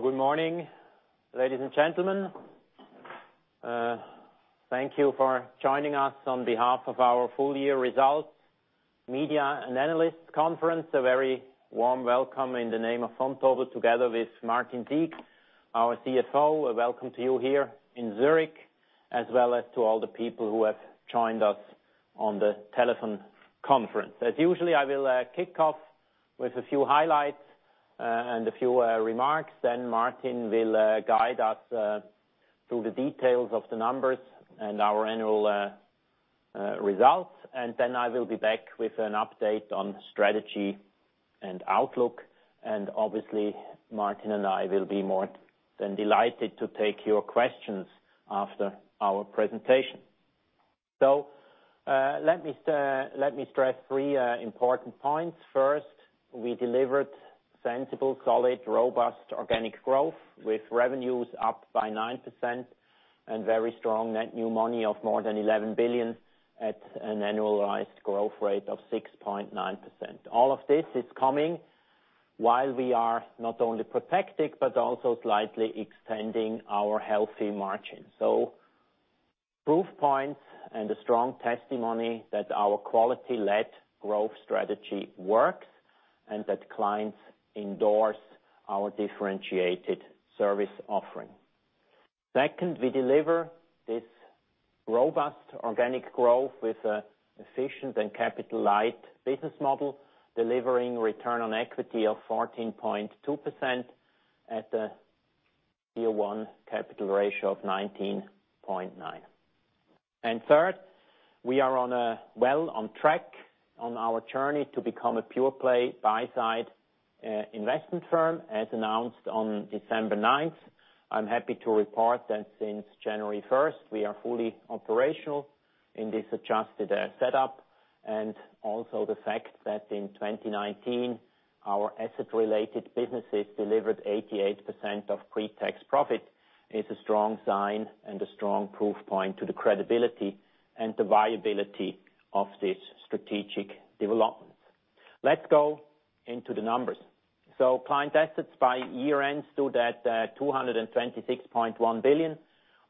Good morning, ladies and gentlemen. Thank you for joining us on behalf of our full year results media and analyst conference. A very warm welcome in the name of Vontobel, together with Martin Sieg, our CFO. Welcome to you here in Zurich, as well as to all the people who have joined us on the telephone conference. As usual, I will kick off with a few highlights and a few remarks. Martin will guide us through the details of the numbers and our annual results. I will be back with an update on strategy and outlook. Obviously, Martin and I will be more than delighted to take your questions after our presentation. Let me stress three important points. First, we delivered sensible, solid, robust organic growth with revenues up by 9% and very strong net new money of more than 11 billion at an annualized growth rate of 6.9%. All of this is coming while we are not only protected, but also slightly extending our healthy margin. Proof points and a strong testimony that our quality-led growth strategy works and that clients endorse our differentiated service offering. Second, we deliver this robust organic growth with an efficient and capital light business model, delivering return on equity of 14.2% at the Tier 1 capital ratio of 19.9. Third, we are well on track on our journey to become a pure play buy side investment firm, as announced on December 9th. I'm happy to report that since January 1st, we are fully operational in this adjusted setup. Also the fact that in 2019, our asset related businesses delivered 88% of pre-tax profit is a strong sign and a strong proof point to the credibility and the viability of this strategic development. Let's go into the numbers. Client assets by year-end stood at 226.1 billion,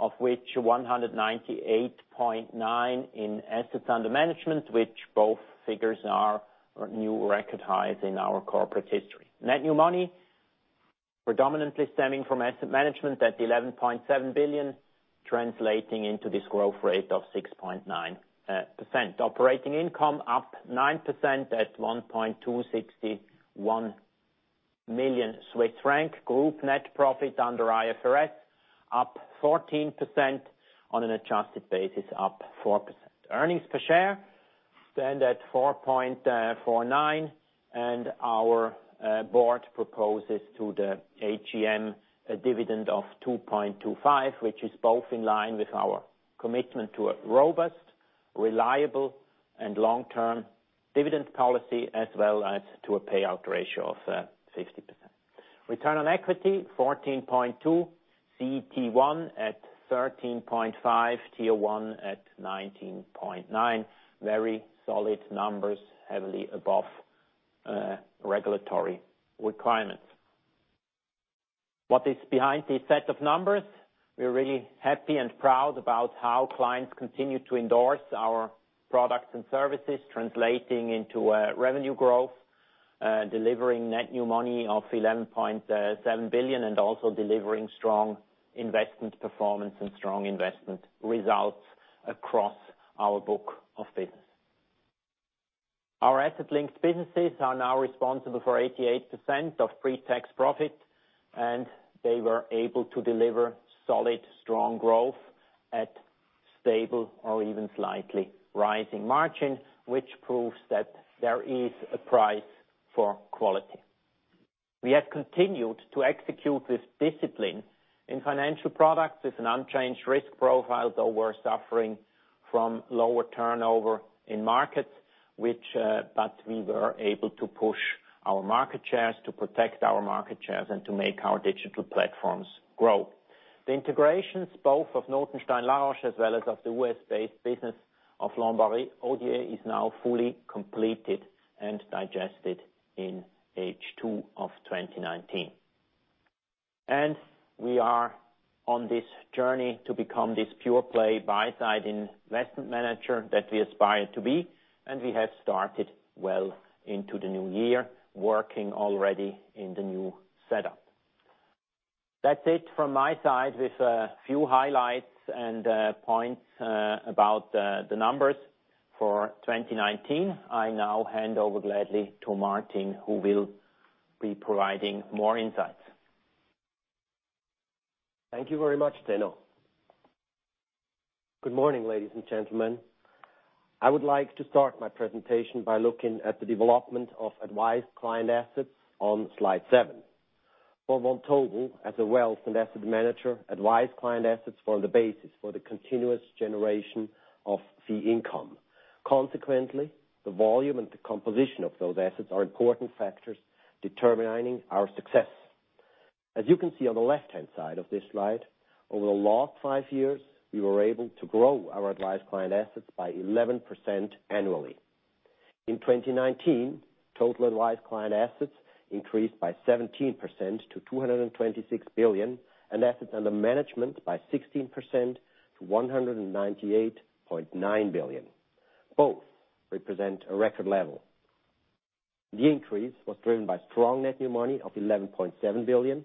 of which 198.9 billion in assets under management, which both figures are new record highs in our corporate history. Net new money predominantly stemming from asset management at 11.7 billion, translating into this growth rate of 6.9%. Operating income up 9% at 1.261 billion Swiss franc. Group net profit under IFRS, up 14%, on an adjusted basis, up 4%. Earnings per share stand at 4.49, and our board proposes to the AGM a dividend of 2.25, which is both in line with our commitment to a robust, reliable, and long-term dividend policy, as well as to a payout ratio of 50%. Return on equity, 14.2%. CET1 at 13.5%, Tier 1 at 19.9%. Very solid numbers, heavily above regulatory requirements. What is behind this set of numbers? We are really happy and proud about how clients continue to endorse our products and services, translating into revenue growth, delivering net new money of 11.7 billion, and also delivering strong investment performance and strong investment results across our book of business. Our asset-linked businesses are now responsible for 88% of pre-tax profit, and they were able to deliver solid, strong growth at stable or even slightly rising margin, which proves that there is a price for quality. We have continued to execute this discipline in financial products with an unchanged risk profile, though we're suffering from lower turnover in markets, but we were able to push our market shares to protect our market shares and to make our digital platforms grow. The integrations both of Notenstein La Roche, as well as of the U.S.-based business of Lombard Odier, is now fully completed and digested in H2 of 2019. We are on this journey to become this pure play buy side investment manager that we aspire to be, and we have started well into the new year, working already in the new setup. That's it from my side with a few highlights and points about the numbers for 2019. I now hand over gladly to Martin, who will be providing more insights. Thank you very much, Zeno. Good morning, ladies and gentlemen. I would like to start my presentation by looking at the development of advised client assets on slide seven. For Vontobel, as a wealth and asset manager, advised client assets form the basis for the continuous generation of fee income. Consequently, the volume and the composition of those assets are important factors determining our success. As you can see on the left-hand side of this slide, over the last five years, we were able to grow our advised client assets by 11% annually. In 2019, total advised client assets increased by 17% to 226 billion, and assets under management by 16% to 198.9 billion. Both represent a record level. The increase was driven by strong net new money of 11.7 billion,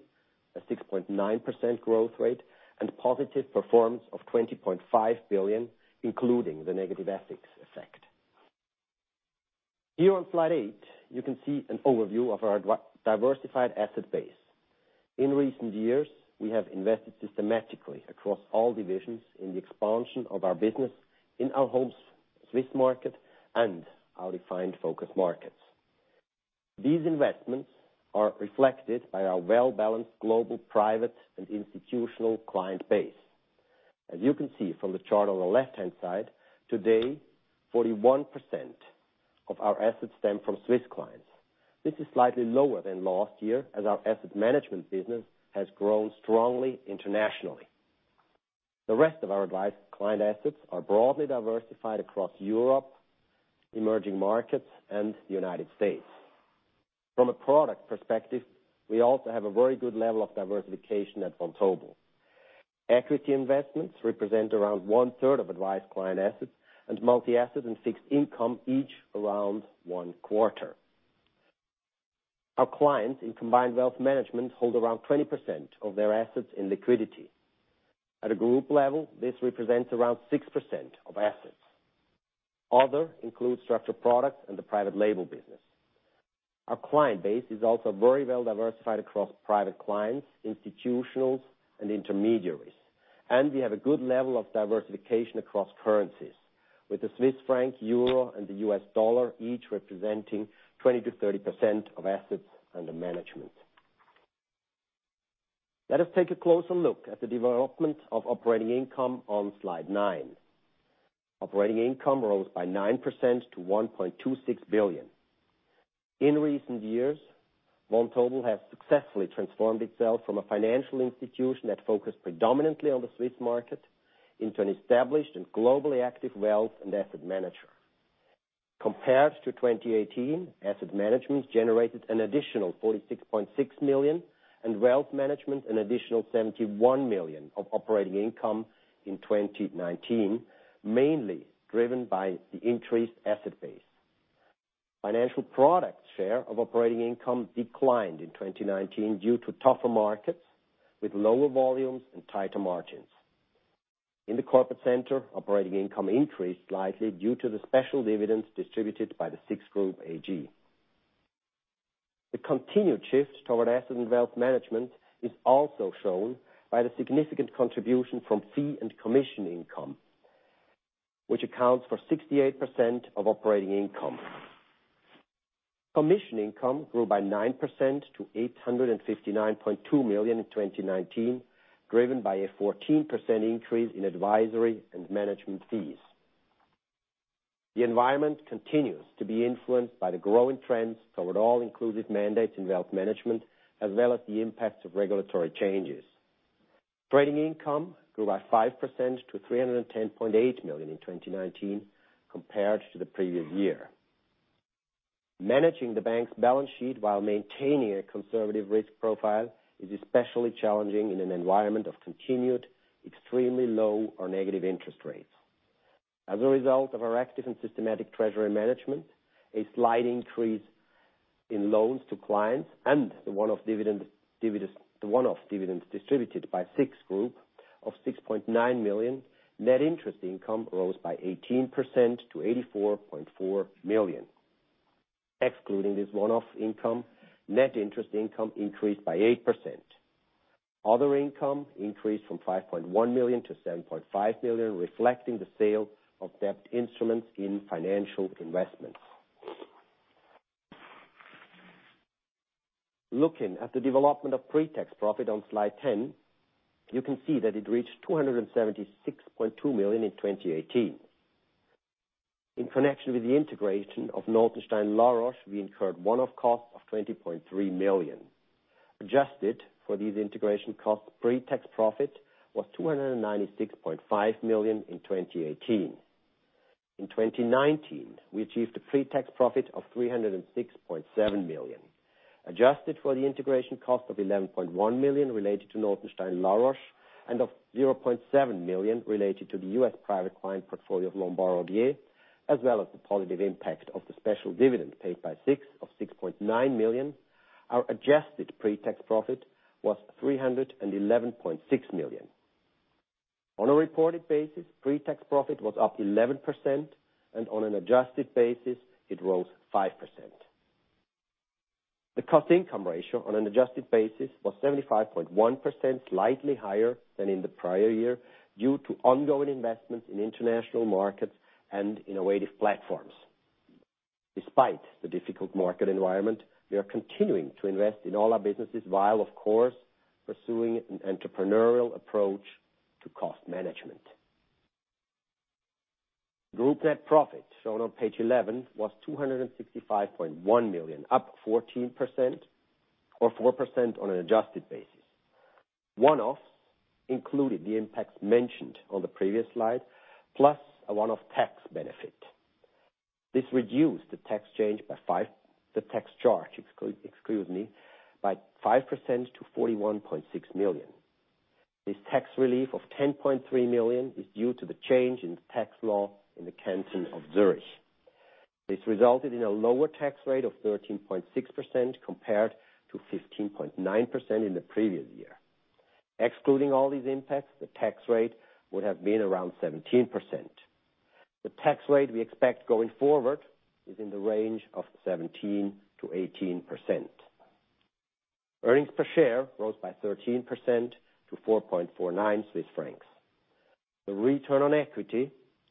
a 6.9% growth rate, and positive performance of 20.5 billion, including the negative FX effect. Here on slide eight, you can see an overview of our diversified asset base. In recent years, we have invested systematically across all divisions in the expansion of our business, in our home Swiss market and our refined focus markets. These investments are reflected by our well-balanced global, private, and institutional client base. As you can see from the chart on the left-hand side, today, 41% of our assets stem from Swiss clients. This is slightly lower than last year, as our asset management business has grown strongly internationally. The rest of our advised client assets are broadly diversified across Europe, emerging markets, and the U.S. From a product perspective, we also have a very good level of diversification at Vontobel. Equity investments represent around 1/3 of advised client assets, and multi-asset and fixed income each around one quarter. Our clients in combined wealth management hold around 20% of their assets in liquidity. At a group level, this represents around 6% of assets. Other includes structured products and the private label business. Our client base is also very well diversified across private clients, institutionals, and intermediaries. We have a good level of diversification across currencies with the Swiss franc, euro, and the US dollar each representing 20%-30% of assets under management. Let us take a closer look at the development of operating income on slide nine. Operating income rose by 9% to 1.26 billion. In recent years, Vontobel has successfully transformed itself from a financial institution that focused predominantly on the Swiss market into an established and globally active wealth and asset manager. Compared to 2018, asset management generated an additional 46.6 million, and wealth management an additional 71 million of operating income in 2019, mainly driven by the increased asset base. Financial product share of operating income declined in 2019 due to tougher markets with lower volumes and tighter margins. In the corporate center, operating income increased slightly due to the special dividends distributed by the SIX Group AG. The continued shift toward asset and wealth management is also shown by the significant contribution from fee and commission income, which accounts for 68% of operating income. Commission income grew by 9% to 859.2 million in 2019, driven by a 14% increase in advisory and management fees. The environment continues to be influenced by the growing trends toward all-inclusive mandates in wealth management, as well as the impact of regulatory changes. Trading income grew by 5% to 310.8 million in 2019 compared to the previous year. Managing the bank's balance sheet while maintaining a conservative risk profile is especially challenging in an environment of continued extremely low or negative interest rates. As a result of our active and systematic treasury management, a slight increase in loans to clients, and the one-off dividends distributed by SIX Group of 6.9 million, net interest income rose by 18% to 84.4 million. Excluding this one-off income, net interest income increased by 8%. Other income increased from 5.1 million to 7.5 million, reflecting the sale of debt instruments in financial investments. Looking at the development of pre-tax profit on slide 10, you can see that it reached 276.2 million in 2018. In connection with the integration of Notenstein La Roche, we incurred one-off costs of 20.3 million. Adjusted for these integration costs, pre-tax profit was 296.5 million in 2018. In 2019, we achieved a pre-tax profit of 306.7 million. Adjusted for the integration cost of 11.1 million related to Notenstein La Roche, and of 0.7 million related to the U.S. private client portfolio of Lombard Odier, as well as the positive impact of the special dividend paid by SIX of 6.9 million, our adjusted pre-tax profit was 311.6 million. On a reported basis, pre-tax profit was up 11%, and on an adjusted basis, it rose 5%. The cost-income ratio on an adjusted basis was 75.1%, slightly higher than in the prior year due to ongoing investments in international markets and innovative platforms. Despite the difficult market environment, we are continuing to invest in all our businesses while of course pursuing an entrepreneurial approach to cost management. Group net profit shown on page 11 was 265.1 million, up 14% or 4% on an adjusted basis. One-offs included the impacts mentioned on the previous slide, plus a one-off tax benefit. This reduced the tax charge, excuse me, by 5% to 41.6 million. This tax relief of 10.3 million is due to the change in the tax law in the Canton of Zurich. This resulted in a lower tax rate of 13.6% compared to 15.9% in the previous year. Excluding all these impacts, the tax rate would have been around 17%. The tax rate we expect going forward is in the range of 17%-18%. Earnings per share rose by 13% to 4.49 Swiss francs. The return on equity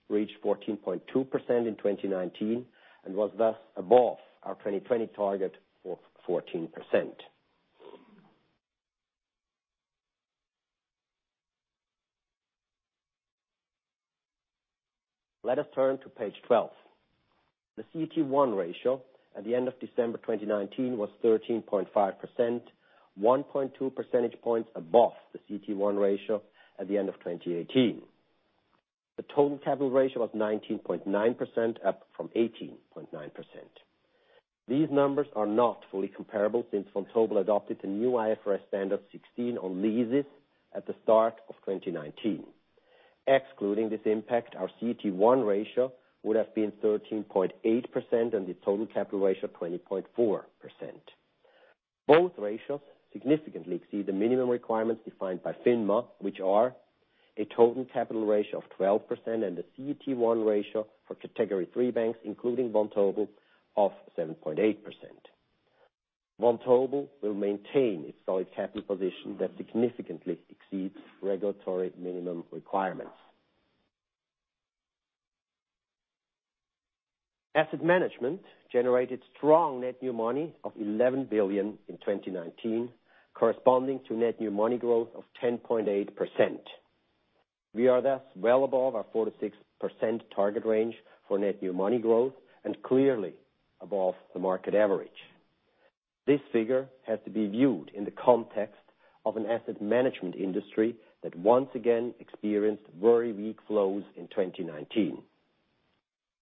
reached 14.2% in 2019, and was thus above our 2020 target of 14%. Let us turn to page 12. The CET1 ratio at the end of December 2019 was 13.5%, 1.2 percentage points above the CET1 ratio at the end of 2018. The total capital ratio was 19.9%, up from 18.9%. These numbers are not fully comparable since Vontobel adopted the new IFRS 16 on leases at the start of 2019. Excluding this impact, our CET1 ratio would have been 13.8% and the total capital ratio 20.4%. Both ratios significantly exceed the minimum requirements defined by FINMA, which are a total capital ratio of 12% and a CET1 ratio for Category 3 banks, including Vontobel of 7.8%. Vontobel will maintain its solid capital position that significantly exceeds regulatory minimum requirements. Asset management generated strong net new money of 11 billion in 2019, corresponding to net new money growth of 10.8%. We are thus well above our 4%-6% target range for net new money growth, and clearly above the market average. This figure has to be viewed in the context of an asset management industry that once again experienced very weak flows in 2019.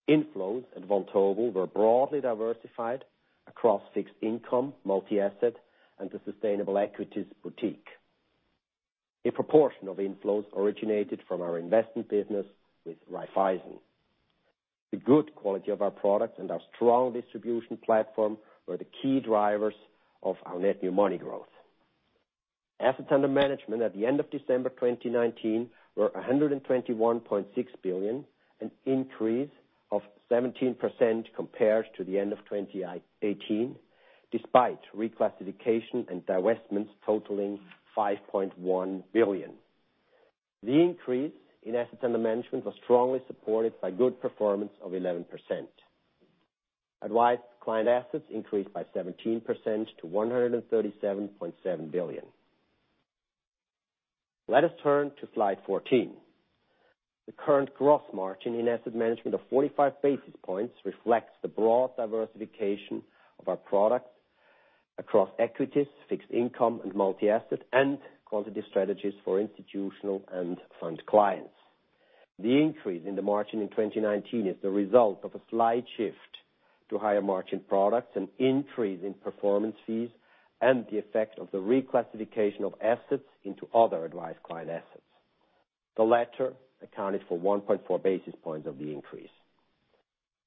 Inflows at Vontobel were broadly diversified across fixed income, multi-asset, and the sustainable equities boutique. A proportion of inflows originated from our investment business with Raiffeisen. The good quality of our products and our strong distribution platform were the key drivers of our net new money growth. Assets under management at the end of December 2019 were 121.6 billion, an increase of 17% compared to the end of 2018, despite reclassification and divestments totaling 5.1 billion. The increase in assets under management was strongly supported by good performance of 11%. Advised client assets increased by 17% to 137.7 billion. Let us turn to slide 14. The current gross margin in asset management of 45 basis points reflects the broad diversification of our products across equities, fixed income, and multi-asset, and quantitative strategies for institutional and fund clients. The increase in the margin in 2019 is the result of a slight shift to higher margin products, an increase in performance fees, and the effect of the reclassification of assets into other advised client assets. The latter accounted for 1.4 basis points of the increase.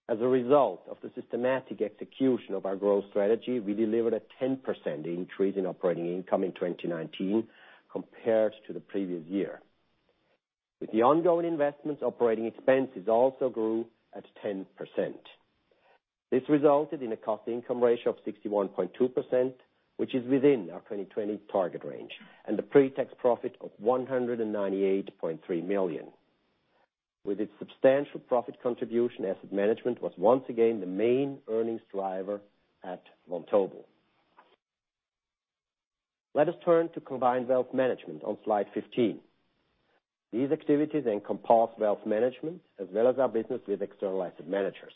As a result of the systematic execution of our growth strategy, we delivered a 10% increase in operating income in 2019 compared to the previous year. With the ongoing investments, operating expenses also grew at 10%. This resulted in a cost income ratio of 61.2%, which is within our 2020 target range, and a pretax profit of 198.3 million. With its substantial profit contribution, asset management was once again the main earnings driver at Vontobel. Let us turn to combined wealth management on slide 15. These activities encompass wealth management as well as our business with external asset managers.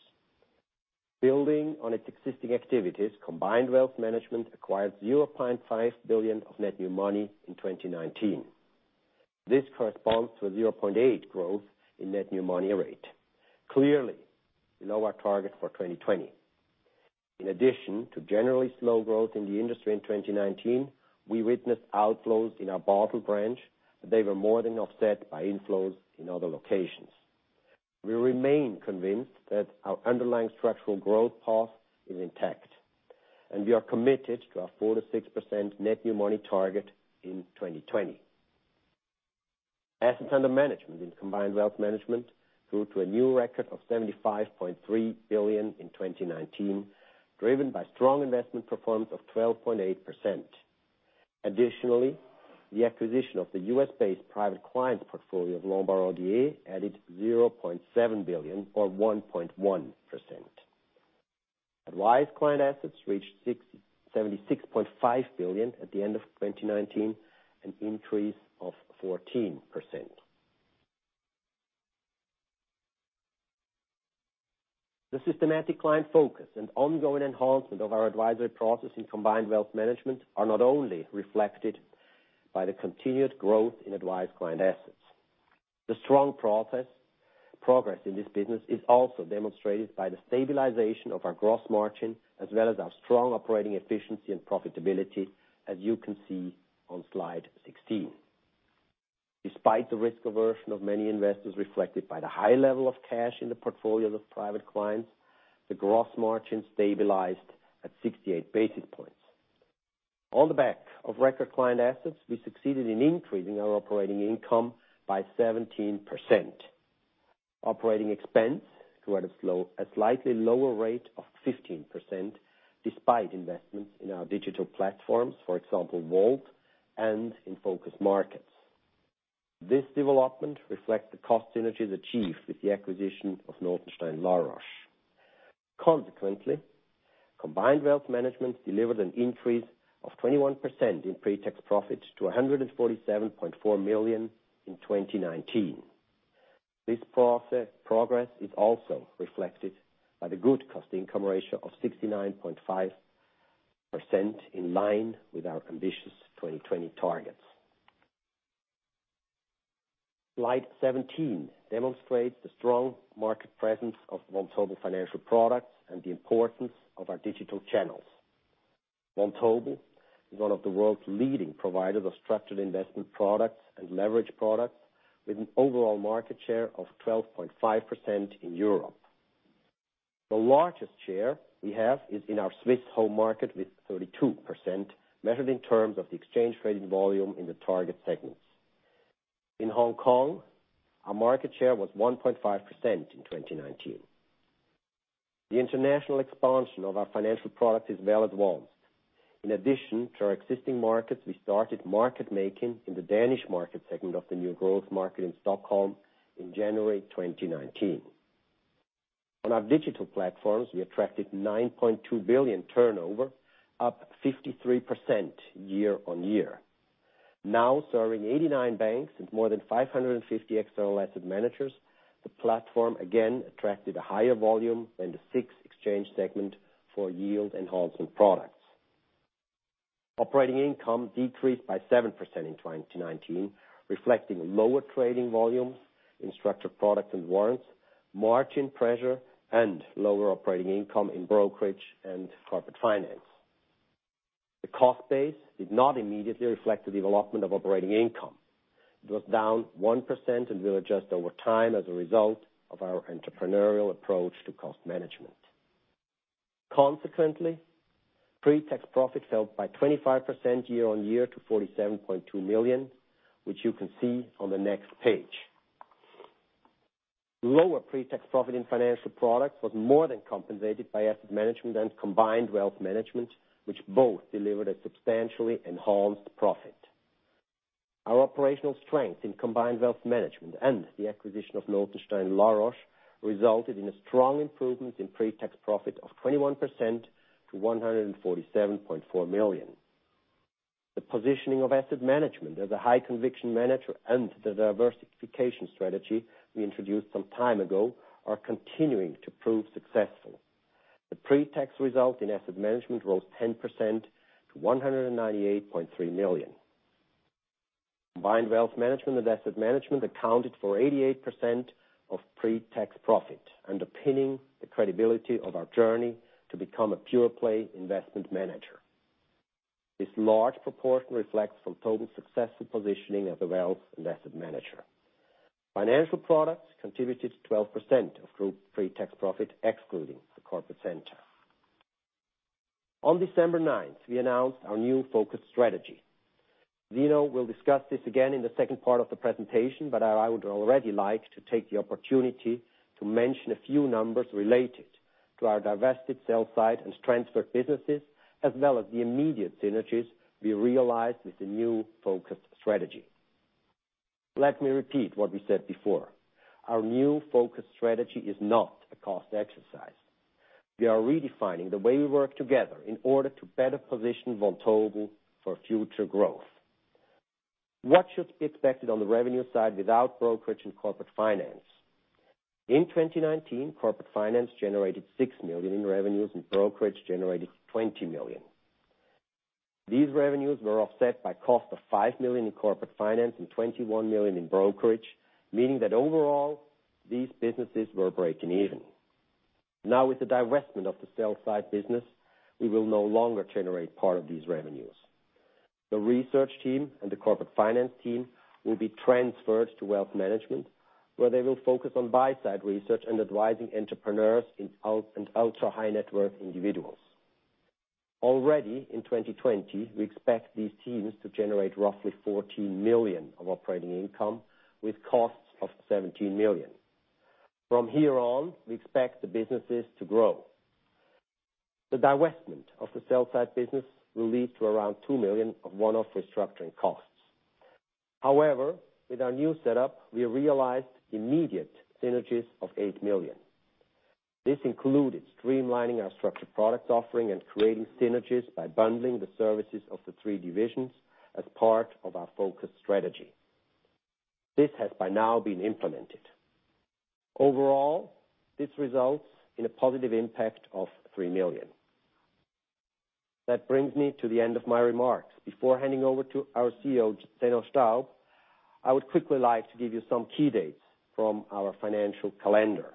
Building on its existing activities, combined wealth management acquired 0.5 billion of net new money in 2019. This corresponds to a 0.8% growth in net new money rate, clearly below our target for 2020. In addition to generally slow growth in the industry in 2019, we witnessed outflows in our Basel branch, they were more than offset by inflows in other locations. We remain convinced that our underlying structural growth path is intact, and we are committed to our 4%-6% net new money target in 2020. Assets under management in combined wealth management grew to a new record of 75.3 billion in 2019, driven by strong investment performance of 12.8%. Additionally, the acquisition of the U.S.-based private clients portfolio of Lombard Odier added 0.7 billion or 1.1%. Advised client assets reached 76.5 billion at the end of 2019, an increase of 14%. The systematic client focus and ongoing enhancement of our advisory process in combined wealth management are not only reflected by the continued growth in advised client assets. The strong progress in this business is also demonstrated by the stabilization of our gross margin, as well as our strong operating efficiency and profitability, as you can see on slide 16. Despite the risk aversion of many investors reflected by the high level of cash in the portfolios of private clients, the gross margin stabilized at 68 basis points. On the back of record client assets, we succeeded in increasing our operating income by 17%. Operating expense grew at a slightly lower rate of 15%, despite investments in our digital platforms, for example, Volt and in focus markets. This development reflects the cost synergies achieved with the acquisition of Notenstein La Roche. Consequently, combined wealth management delivered an increase of 21% in pre-tax profit to 147.4 million in 2019. This progress is also reflected by the good cost income ratio of 69.5% in line with our ambitious 2020 targets. Slide 17 demonstrates the strong market presence of Vontobel financial products and the importance of our digital channels. Vontobel is one of the world's leading providers of structured investment products and leverage products with an overall market share of 12.5% in Europe. The largest share we have is in our Swiss home market with 32% measured in terms of the exchange traded volume in the target segments. In Hong Kong, our market share was 1.5% in 2019. The international expansion of our financial product is well advanced. In addition to our existing markets, we started market making in the Danish market segment of the new growth market in Stockholm in January 2019. On our digital platforms, we attracted 9.2 billion turnover, up 53% year-over-year. Now serving 89 banks and more than 550 external asset managers, the platform again attracted a higher volume than the SIX exchange segment for yield-enhancing products. Operating income decreased by 7% in 2019, reflecting lower trading volumes in structured products and warrants, margin pressure, and lower operating income in brokerage and corporate finance. The cost base did not immediately reflect the development of operating income. It was down 1% and will adjust over time as a result of our entrepreneurial approach to cost management. Pre-tax profit fell by 25% year-on-year to 47.2 million, which you can see on the next page. Lower pre-tax profit in financial products was more than compensated by asset management and combined wealth management, which both delivered a substantially enhanced profit. Our operational strength in combined wealth management and the acquisition of Notenstein La Roche resulted in a strong improvement in pre-tax profit of 21% to 147.4 million. The positioning of asset management as a high conviction manager and the diversification strategy we introduced some time ago are continuing to prove successful. The pre-tax result in asset management rose 10% to 198.3 million. Combined wealth management and asset management accounted for 88% of pre-tax profit, underpinning the credibility of our journey to become a pure play investment manager. This large proportion reflects Vontobel's successful positioning as a wealth and asset manager. Financial products contributed to 12% of group pre-tax profit excluding the corporate center. On December 9th, we announced our new focused strategy. Zeno will discuss this again in the second part of the presentation, but I would already like to take the opportunity to mention a few numbers related to our divested sell side and transferred businesses, as well as the immediate synergies we realized with the new focused strategy. Let me repeat what we said before. Our new focused strategy is not a cost exercise. We are redefining the way we work together in order to better position Vontobel for future growth. What should be expected on the revenue side without brokerage and corporate finance? In 2019, corporate finance generated 6 million in revenues and brokerage generated 20 million. These revenues were offset by cost of 5 million in corporate finance and 21 million in brokerage, meaning that overall, these businesses were breaking even. With the divestment of the sell side business, we will no longer generate part of these revenues. The research team and the corporate finance team will be transferred to wealth management, where they will focus on buy side research and advising entrepreneurs and ultra-high net worth individuals. Already in 2020, we expect these teams to generate roughly 14 million of operating income with costs of 17 million. From here on, we expect the businesses to grow. The divestment of the sell side business will lead to around 2 million of one-off restructuring costs. However, with our new setup, we realized immediate synergies of 8 million. This included streamlining our structured products offering and creating synergies by bundling the services of the three divisions as part of our focus strategy. This has by now been implemented. Overall, this results in a positive impact of 3 million. That brings me to the end of my remarks. Before handing over to our CEO, Zeno Staub, I would quickly like to give you some key dates from our financial calendar.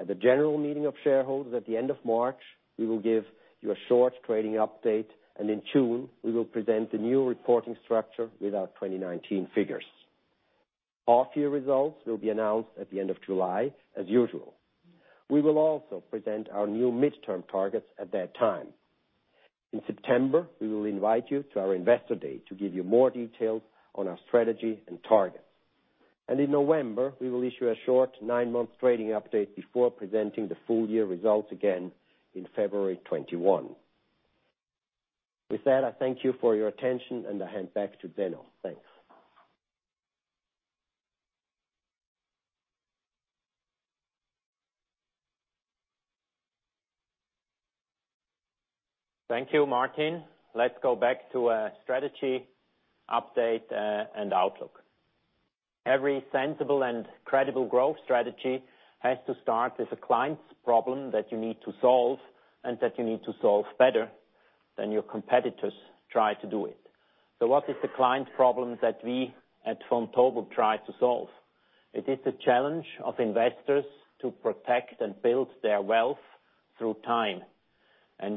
At the general meeting of shareholders at the end of March, we will give you a short trading update, and in June, we will present the new reporting structure with our 2019 figures. Our full results will be announced at the end of July as usual. We will also present our new midterm targets at that time. In September, we will invite you to our investor day to give you more details on our strategy and targets. In November, we will issue a short nine-month trading update before presenting the full year results again in February 2021. With that, I thank you for your attention, and I hand back to Zeno. Thanks. Thank you, Martin. Let's go back to our strategy update and outlook. Every sensible and credible growth strategy has to start with a client's problem that you need to solve and that you need to solve better than your competitors try to do it. What is the client problem that we at Vontobel try to solve? It is the challenge of investors to protect and build their wealth through time.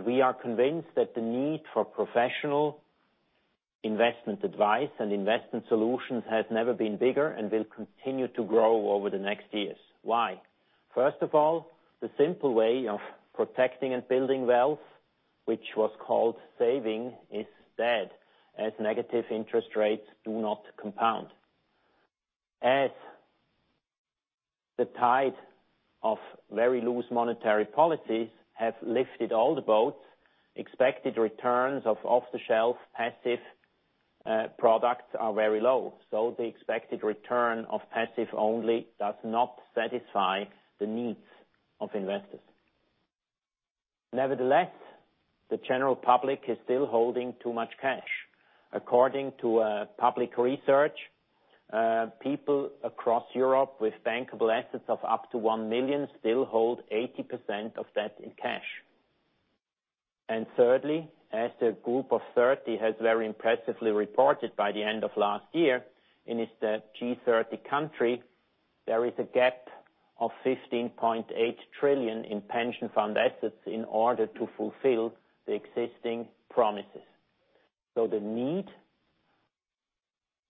We are convinced that the need for professional investment advice and investment solutions has never been bigger and will continue to grow over the next years. Why? First of all, the simple way of protecting and building wealth, which was called saving, is dead, as negative interest rates do not compound. As the tide of very loose monetary policies have lifted all the boats, expected returns of off-the-shelf passive products are very low. The expected return of passive only does not satisfy the needs of investors. Nevertheless, the general public is still holding too much cash. According to public research, people across Europe with bankable assets of up to 1 million still hold 80% of that in cash. Thirdly, as the Group of Thirty has very impressively reported by the end of last year, in its G30 country, there is a gap of 15.8 trillion in pension fund assets in order to fulfill the existing promises. The need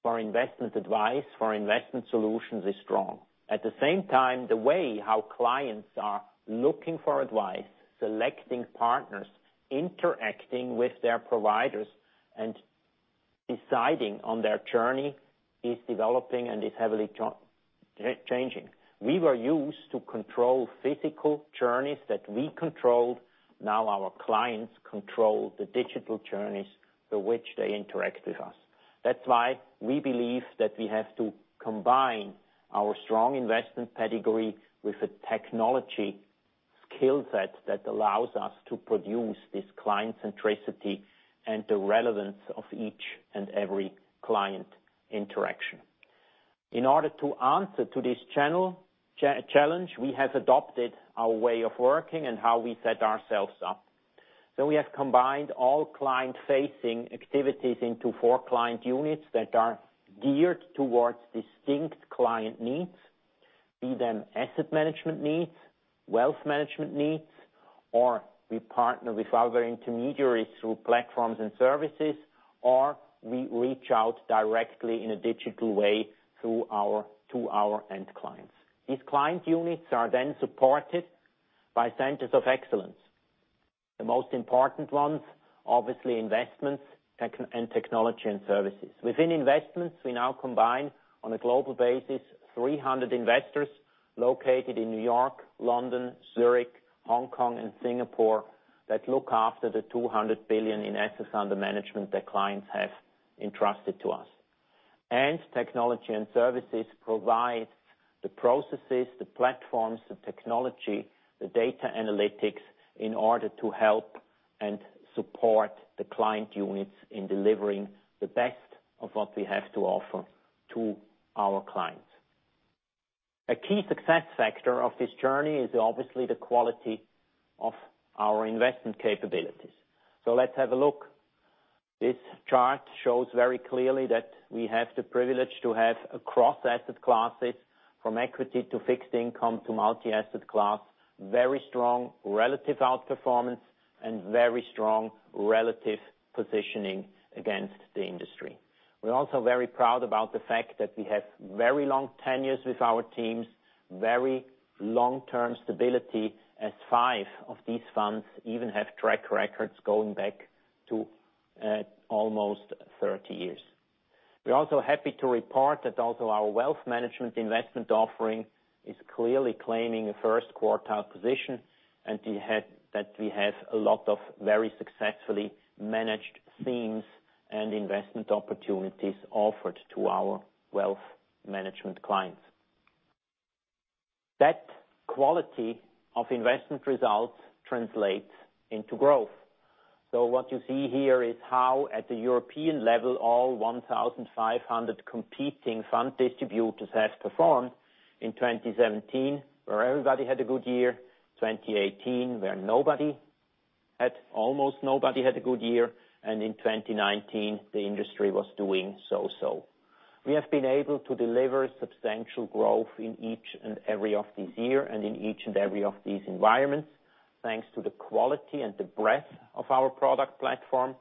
for investment advice for investment solutions is strong. At the same time, the way how clients are looking for advice, selecting partners, interacting with their providers, and deciding on their journey is developing and is heavily changing. We were used to control physical journeys that we controlled. Now our clients control the digital journeys through which they interact with us. That's why we believe that we have to combine our strong investment pedigree with a technology skill set that allows us to produce this client centricity and the relevance of each and every client interaction. In order to answer to this challenge, we have adopted our way of working and how we set ourselves up. We have combined all client-facing activities into four client units that are geared towards distinct client needs, be them asset management needs, wealth management needs, or we partner with other intermediaries through platforms and services, or we reach out directly in a digital way to our end clients. These client units are then supported by centers of excellence. The most important ones, obviously investments and technology and services. Within investments, we now combine on a global basis 300 investors located in New York, London, Zurich, Hong Kong, and Singapore that look after the 200 billion in assets under management that clients have entrusted to us. Technology and services provide the processes, the platforms, the technology, the data analytics in order to help and support the client units in delivering the best of what we have to offer to our clients. A key success factor of this journey is obviously the quality of our investment capabilities. Let's have a look. This chart shows very clearly that we have the privilege to have across asset classes, from equity to fixed income to multi-asset class, very strong relative outperformance and very strong relative positioning against the industry. We're also very proud about the fact that we have very long tenures with our teams, very long-term stability, as five of these funds even have track records going back to almost 30 years. We are also happy to report that also our wealth management investment offering is clearly claiming a first quartile position and that we have a lot of very successfully managed themes and investment opportunities offered to our wealth management clients. That quality of investment results translates into growth. What you see here is how, at the European level, all 1,500 competing fund distributors have performed in 2017, where everybody had a good year, 2018, where almost nobody had a good year, and in 2019, the industry was doing so-so. We have been able to deliver substantial growth in each and every of these year, and in each and every of these environments, thanks to the quality and the breadth of our product platform,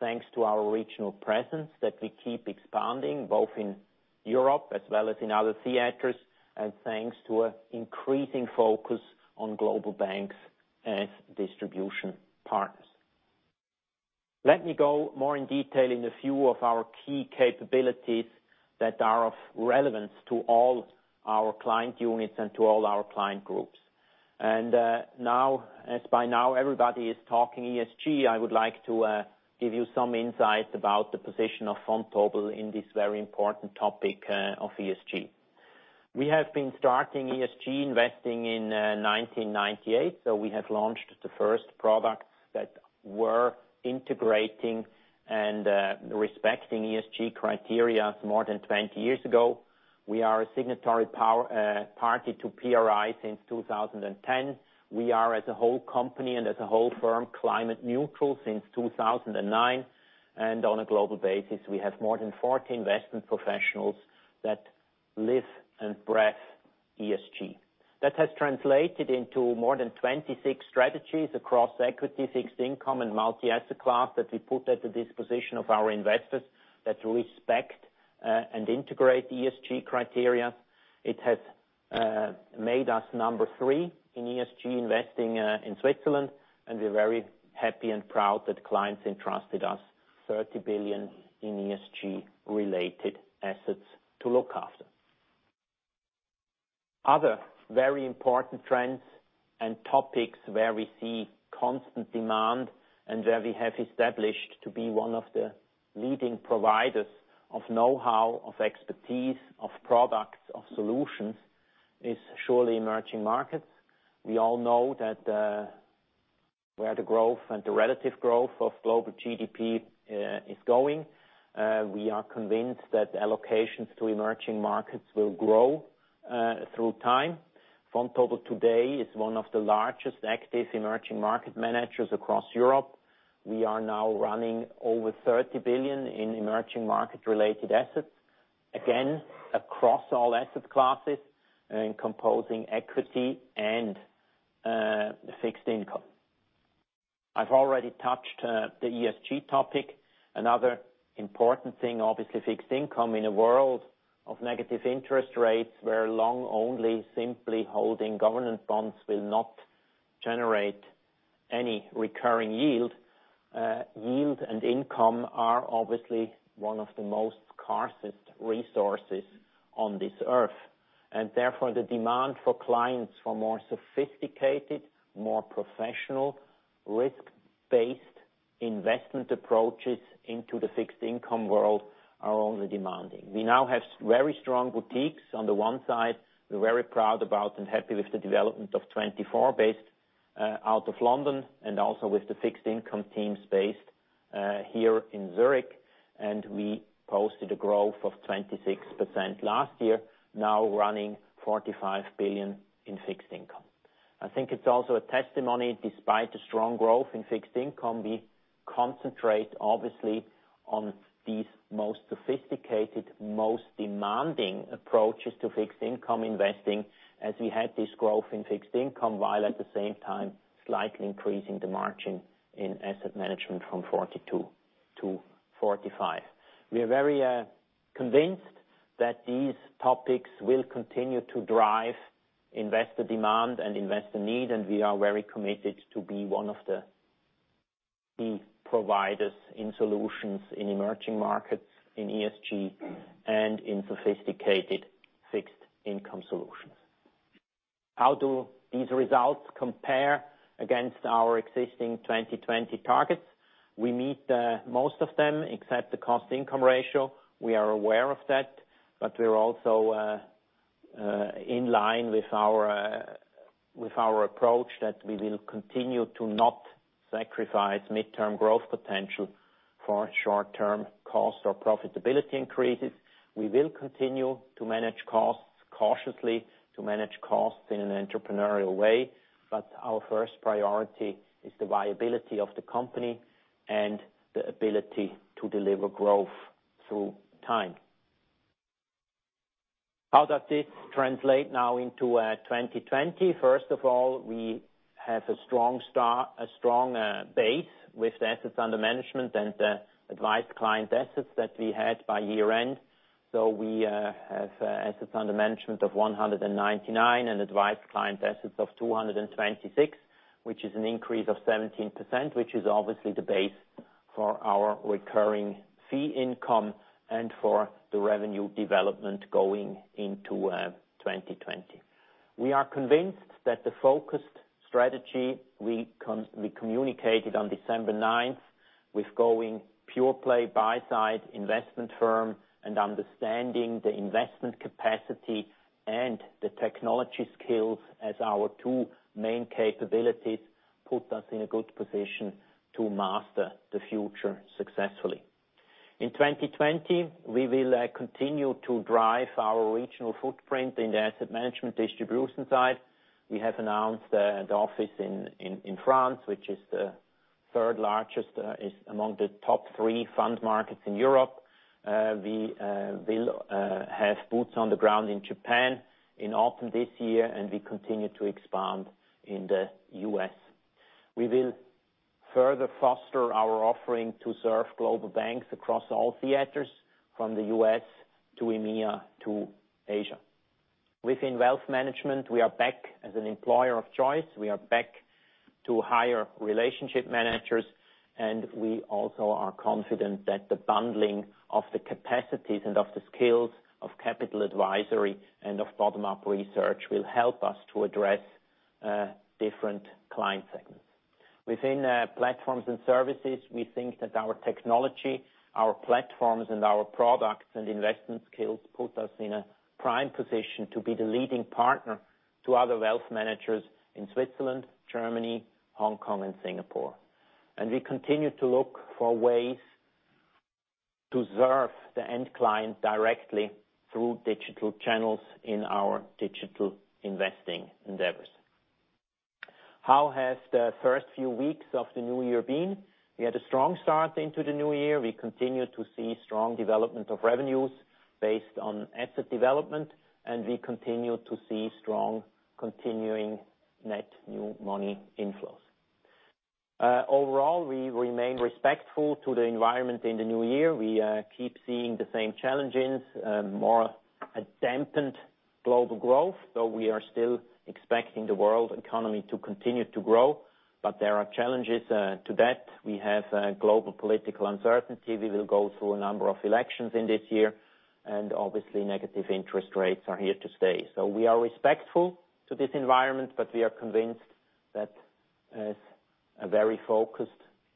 thanks to our regional presence that we keep expanding both in Europe as well as in other theaters, and thanks to an increasing focus on global banks as distribution partners. Let me go more in detail in a few of our key capabilities that are of relevance to all our client units and to all our client groups. As by now everybody is talking ESG, I would like to give you some insights about the position of Vontobel in this very important topic of ESG. We have been starting ESG investing in 1998. We have launched the first products that were integrating and respecting ESG criteria more than 20 years ago. We are a signatory party to PRI since 2010. We are, as a whole company and as a whole firm, climate neutral since 2009. On a global basis, we have more than 40 investment professionals that live and breathe ESG. That has translated into more than 26 strategies across equity, fixed income, and multi-asset class that we put at the disposition of our investors that respect and integrate ESG criteria. It has made us number three in ESG investing in Switzerland, and we are very happy and proud that clients entrusted us 30 billion in ESG related assets to look after. Other very important trends and topics where we see constant demand and where we have established to be one of the leading providers of knowhow, of expertise, of products, of solutions, is surely emerging markets. We all know where the growth and the relative growth of global GDP is going. We are convinced that allocations to emerging markets will grow through time. Vontobel today is one of the largest active emerging market managers across Europe. We are now running over 30 billion in emerging market related assets, again, across all asset classes in composing equity and fixed income. I've already touched the ESG topic. Another important thing, obviously, fixed income in a world of negative interest rates, where long only simply holding government bonds will not generate any recurring yield. Yield and income are obviously one of the most scarcest resources on this earth, and therefore the demand for clients for more sophisticated, more professional, risk-based investment approaches into the fixed income world are only demanding. We now have very strong boutiques. On the one side, we're very proud about and happy with the development of TwentyFour based out of London and also with the fixed income teams based here in Zurich. We posted a growth of 26% last year, now running 45 billion in fixed income. I think it's also a testimony, despite the strong growth in fixed income, we concentrate obviously on these most sophisticated, most demanding approaches to fixed income investing as we had this growth in fixed income, while at the same time, slightly increasing the margin in asset management from 42% to 45%. We are very convinced that these topics will continue to drive investor demand and investor need. We are very committed to be one of the key providers in solutions in emerging markets, in ESG, and in sophisticated fixed income solutions. How do these results compare against our existing 2020 targets? We meet most of them except the cost-income ratio. We are aware of that. We are also in line with our approach that we will continue to not sacrifice midterm growth potential for short-term cost or profitability increases. We will continue to manage costs cautiously, to manage costs in an entrepreneurial way, our first priority is the viability of the company and the ability to deliver growth through time. How does this translate now into 2020? First of all, we have a strong base with the assets under management and the advised client assets that we had by year-end. We have assets under management of 199 and advised client assets of 226, which is an increase of 17%, which is obviously the base for our recurring fee income and for the revenue development going into 2020. We are convinced that the focused strategy we communicated on December 9th. With going pure-play buy-side investment firm and understanding the investment capacity and the technology skills as our two main capabilities, put us in a good position to master the future successfully. In 2020, we will continue to drive our regional footprint in the asset management distribution side. We have announced the office in France, which is the third-largest, is among the top three fund markets in Europe. We will have boots on the ground in Japan in autumn this year. We continue to expand in the U.S. We will further foster our offering to serve global banks across all theaters, from the U.S. to EMEA to Asia. Within wealth management, we are back as an employer of choice. We are back to hire Relationship Managers, and we also are confident that the bundling of the capacities and of the skills of capital advisory and of bottom-up research will help us to address different client segments. Within platforms and services, we think that our technology, our platforms and our products and investment skills put us in a prime position to be the leading partner to other wealth managers in Switzerland, Germany, Hong Kong and Singapore. We continue to look for ways to serve the end client directly through digital channels in our digital investing endeavors. How has the first few weeks of the new year been? We had a strong start into the new year. We continue to see strong development of revenues based on asset development, and we continue to see strong continuing net new money inflows. Overall, we remain respectful to the environment in the new year. We keep seeing the same challenges, more a dampened global growth, though we are still expecting the world economy to continue to grow. There are challenges to that. We have global political uncertainty. We will go through a number of elections in this year, obviously negative interest rates are here to stay. We are respectful to this environment, but we are convinced that as a very focused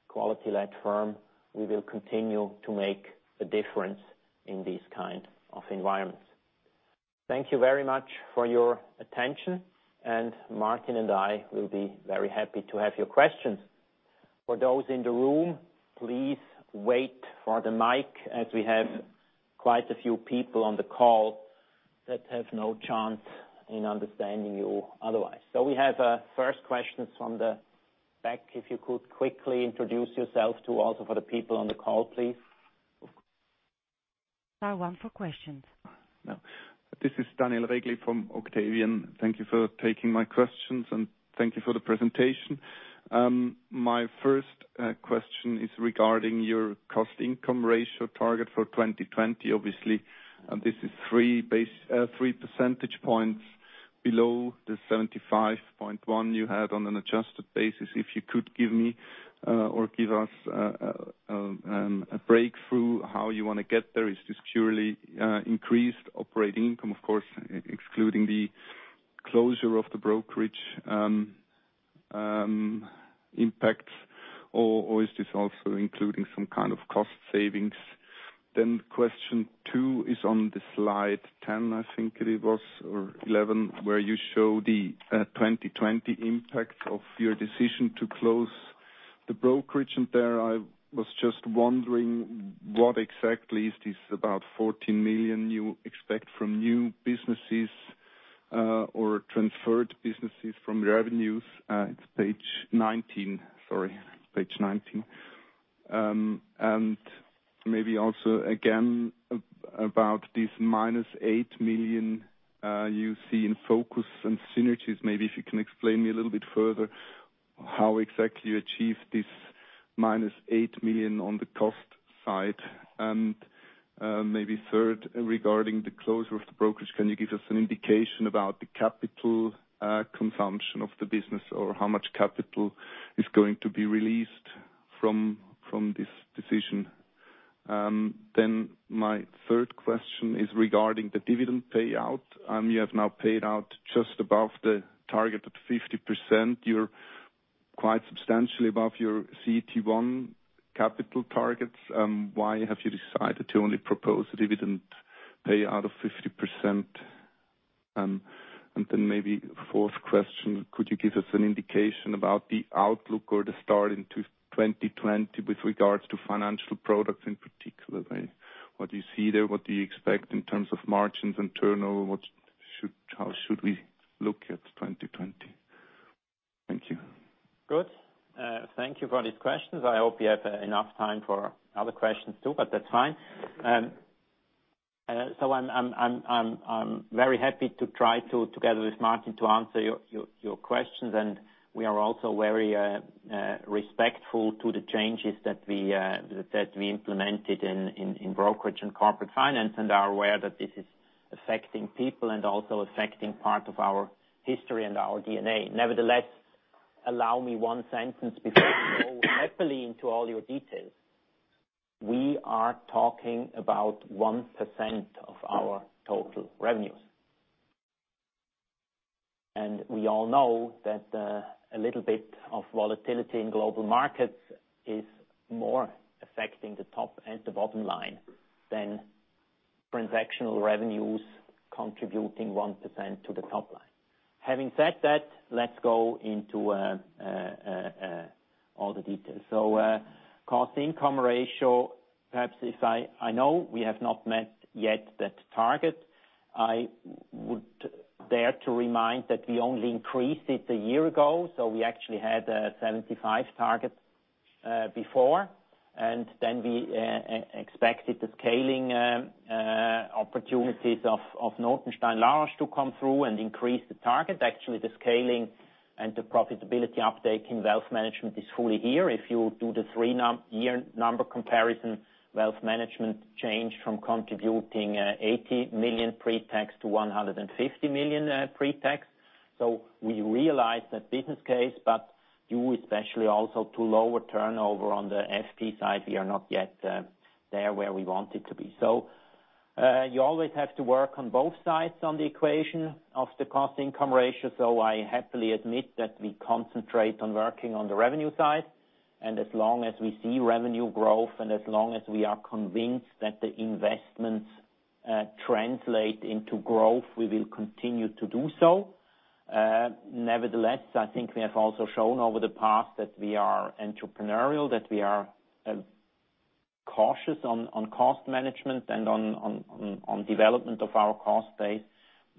quality-led firm, we will continue to make a difference in these kind of environments. Thank you very much for your attention, Martin and I will be very happy to have your questions. For those in the room, please wait for the mic as we have quite a few people on the call that have no chance in understanding you otherwise. We have first questions from the back. If you could quickly introduce yourself to also for the people on the call, please. Now one for questions. This is Daniel Regli from Octavian. Thank you for taking my questions, thank you for the presentation. My first question is regarding your cost income ratio target for 2020. Obviously, this is three percentage points below the 75.1 you had on an adjusted basis. If you could give me or give us a breakthrough how you want to get there. Is this purely increased operating income? Of course, excluding the closure of the brokerage impacts or is this also including some kind of cost savings? Question two is on the slide 10, I think it was, or 11, where you show the 2020 impact of your decision to close the brokerage. There I was just wondering what exactly is this about 14 million you expect from new businesses or transferred businesses from revenues. It's page 19. Sorry, page 19. Maybe also again about this -8 million you see in focus and synergies. Maybe if you can explain me a little bit further how exactly you achieve this -8 million on the cost side. Maybe third, regarding the closure of the brokerage, can you give us an indication about the capital consumption of the business, or how much capital is going to be released from this decision? My third question is regarding the dividend payout. You have now paid out just above the target of 50%. You're quite substantially above your CET1 capital targets. Why have you decided to only propose a dividend payout of 50%? Maybe fourth question, could you give us an indication about the outlook or the start in 2020 with regards to financial products in particular? What do you see there? What do you expect in terms of margins and turnover? How should we look at 2020? Thank you. Thank you for these questions. I hope you have enough time for other questions, too, but that's fine. I'm very happy to try to, together with Martin, to answer your questions. We are also very respectful to the changes that we implemented in brokerage and corporate finance and are aware that this is affecting people and also affecting part of our history and our DNA. Nevertheless, allow me one sentence before I go happily into all your details. We are talking about 1% of our total revenues. We all know that a little bit of volatility in global markets is more affecting the top and the bottom line than transactional revenues contributing 1% to the top line. Having said that, let's go into all the details. Cost income ratio, perhaps I know we have not met yet that target. I would dare to remind that we only increased it one year ago, we actually had a 75 target before. Then we expected the scaling opportunities of Notenstein La Roche to come through and increase the target. Actually, the scaling and the profitability uptake in wealth management is fully here. If you do the three-year number comparison, wealth management changed from contributing 80 million pre-tax to 150 million pre-tax. We realized that business case, but you especially also to lower turnover on the FP side, we are not yet there where we wanted to be. You always have to work on both sides on the equation of the cost income ratio, I happily admit that we concentrate on working on the revenue side. As long as we see revenue growth and as long as we are convinced that the investments translate into growth, we will continue to do so. Nevertheless, I think we have also shown over the past that we are entrepreneurial, that we are cautious on cost management and on development of our cost base.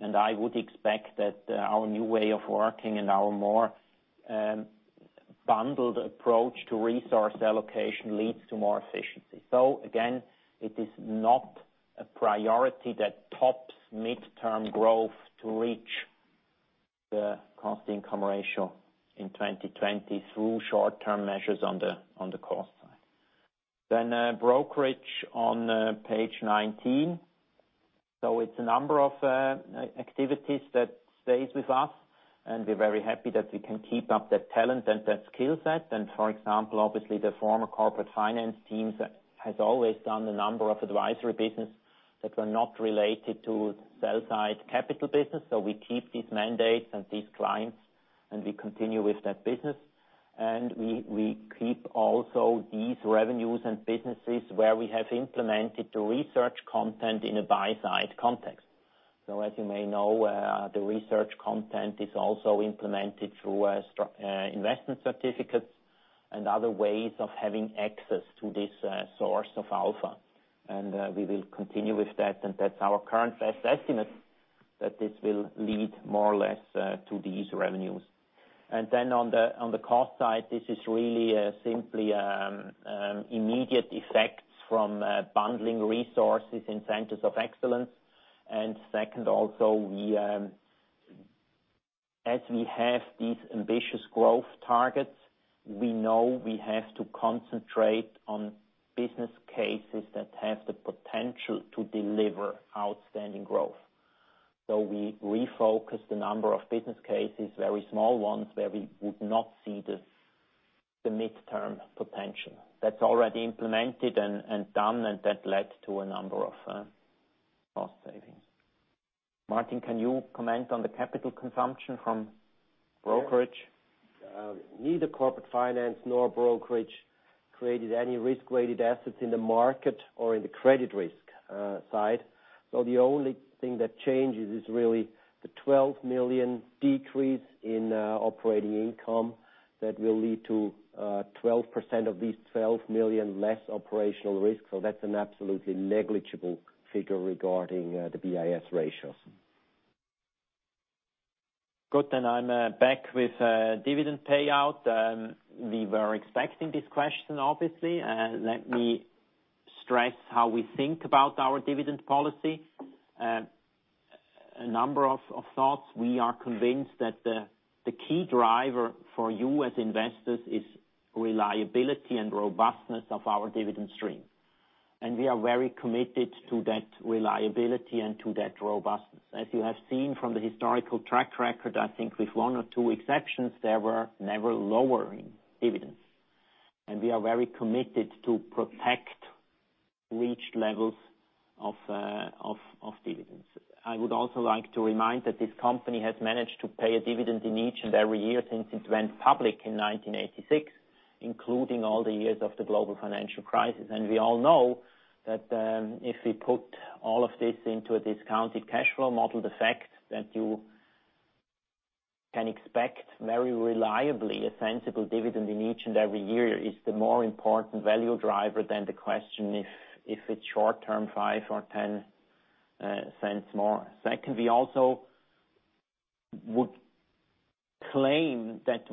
I would expect that our new way of working and our more bundled approach to resource allocation leads to more efficiency. Again, it is not a priority that tops midterm growth to reach the cost income ratio in 2020 through short-term measures on the cost side. Brokerage on page 19. It's a number of activities that stays with us, and we're very happy that we can keep up that talent and that skill set. For example, obviously the former corporate finance team has always done a number of advisory business that were not related to sell-side capital business. We keep these mandates and these clients, and we continue with that business. We keep also these revenues and businesses where we have implemented the research content in a buy-side context. As you may know, the research content is also implemented through investment certificates and other ways of having access to this source of alpha. We will continue with that, and that's our current best estimate that this will lead more or less to these revenues. On the cost side, this is really simply immediate effects from bundling resources in centers of excellence. Second, also, as we have these ambitious growth targets, we know we have to concentrate on business cases that have the potential to deliver outstanding growth. We refocused a number of business cases, very small ones, where we would not see the midterm potential. That's already implemented and done, and that led to a number of cost savings. Martin, can you comment on the capital consumption from brokerage? Neither corporate finance nor brokerage created any risk-weighted assets in the market or in the credit risk side. The only thing that changes is really the 12 million decrease in operating income that will lead to 12% of these 12 million less operational risk. That's an absolutely negligible figure regarding the BIS ratios. Good. I'm back with dividend payout. We were expecting this question, obviously. Let me stress how we think about our dividend policy. A number of thoughts. We are convinced that the key driver for you as investors is reliability and robustness of our dividend stream. We are very committed to that reliability and to that robustness. As you have seen from the historical track record, I think with one or two exceptions, there were never lowering dividends. We are very committed to protect reached levels of dividends. I would also like to remind that this company has managed to pay a dividend in each and every year since it went public in 1986, including all the years of the global financial crisis. We all know that if we put all of this into a discounted cash flow model, the fact that you can expect very reliably a sensible dividend in each and every year is the more important value driver than the question if it's short term, 0.05 or 0.10 more. Second, we also would claim that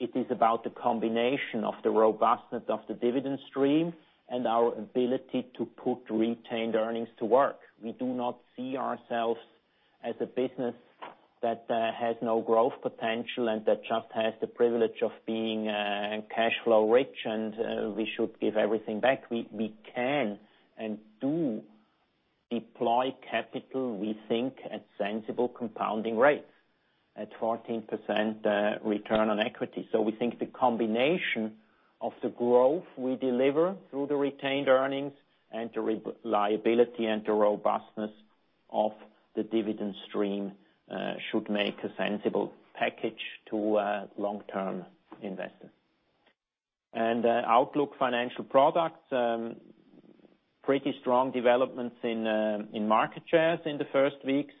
it is about the combination of the robustness of the dividend stream and our ability to put retained earnings to work. We do not see ourselves as a business that has no growth potential and that just has the privilege of being cash flow rich, and we should give everything back. We can and do deploy capital, we think, at sensible compounding rates at 14% return on equity. We think the combination of the growth we deliver through the retained earnings and the reliability and the robustness of the dividend stream should make a sensible package to a long-term investor. Outlook Financial Products, pretty strong developments in market shares in the first weeks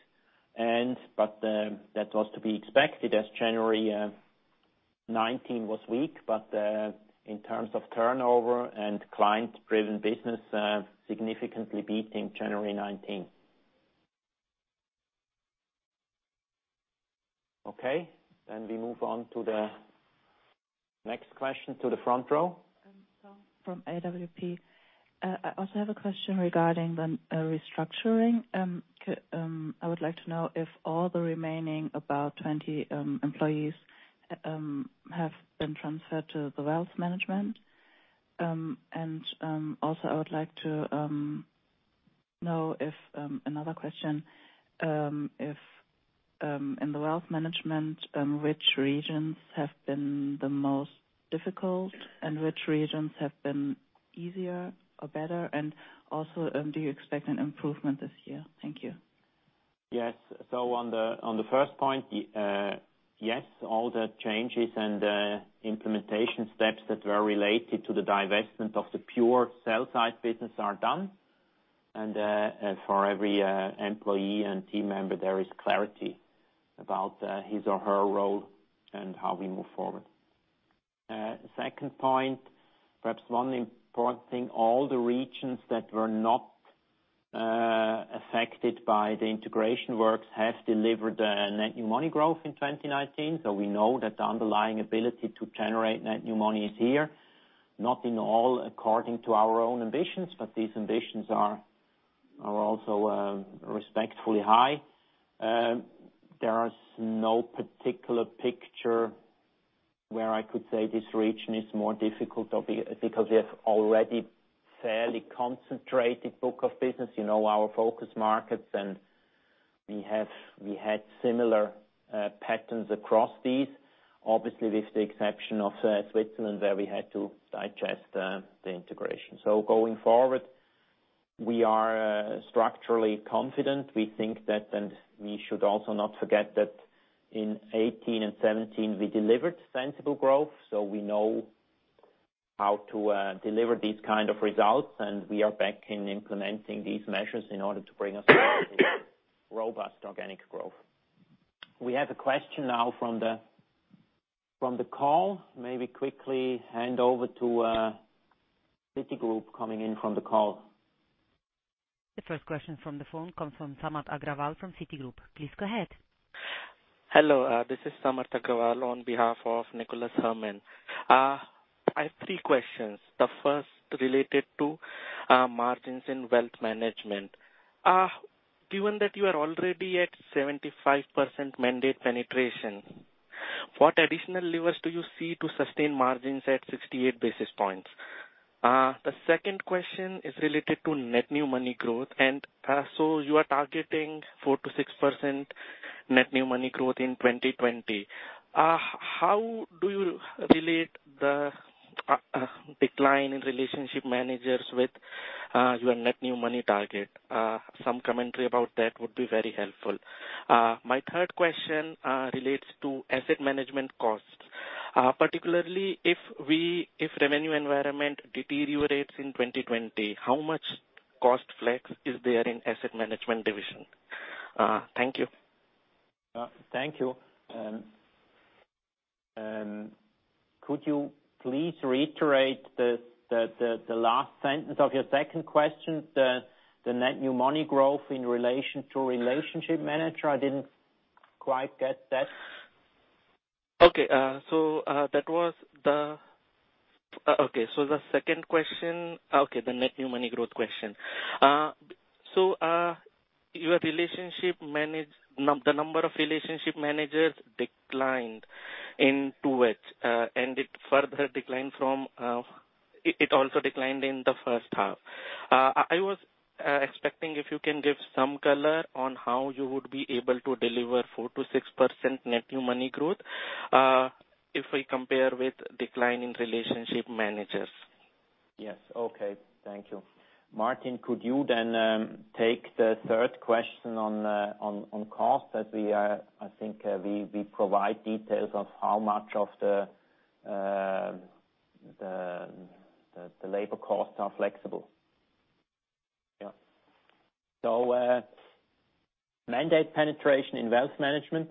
but that was to be expected as January 2019 was weak, but in terms of turnover and client-driven business, significantly beating January 2019. We move on to the next question to the front row. From AWP. I also have a question regarding the restructuring. I would like to know if all the remaining about 20 employees have been transferred to the wealth management. Also, I would like to know if, another question, if in the wealth management, which regions have been the most difficult and which regions have been easier or better? Also, do you expect an improvement this year? Thank you. Yes. On the first point, yes, all the changes and the implementation steps that were related to the divestment of the pure sell side business are done. For every employee and team member, there is clarity about his or her role and how we move forward. Second point, perhaps one important thing, all the regions that were not affected by the integration works have delivered a net new money growth in 2019. We know that the underlying ability to generate net new money is here, not in all according to our own ambitions, but these ambitions are also respectfully high. There is no particular picture where I could say this region is more difficult because we have already fairly concentrated book of business, you know our focus markets, and we had similar patterns across these, obviously with the exception of Switzerland, where we had to digest the integration. Going forward, we are structurally confident. We think that, and we should also not forget that in 2018 and 2017, we delivered sensible growth, so we know how to deliver these kind of results, and we are back in implementing these measures in order to bring us robust organic growth. We have a question now from the call, maybe quickly hand over to Citigroup coming in from the call. The first question from the phone comes from Samarth Agrawal from Citigroup. Please go ahead. Hello, this is Samarth Agrawal on behalf of Nicholas Herman. I have three questions. The first related to margins in wealth management. Given that you are already at 75% mandate penetration, what additional levers do you see to sustain margins at 68 basis points? The second question is related to net new money growth. You are targeting 4%-6% net new money growth in 2020. How do you relate the decline in relationship managers with your net new money target? Some commentary about that would be very helpful. My third question relates to asset management costs. Particularly if revenue environment deteriorates in 2020, how much cost flex is there in asset management division? Thank you. Thank you. Could you please reiterate the last sentence of your second question, the net new money growth in relation to relationship manager? I didn't quite get that. Okay. The second question, the net new money growth question. The number of relationship managers declined in 2H, and it also declined in the first half. I was expecting if you can give some color on how you would be able to deliver 4%-6% net new money growth, if we compare with decline in relationship managers. Yes. Okay. Thank you. Martin, could you then take the third question on cost as I think we provide details of how much of the labor costs are flexible. Mandate penetration in wealth management.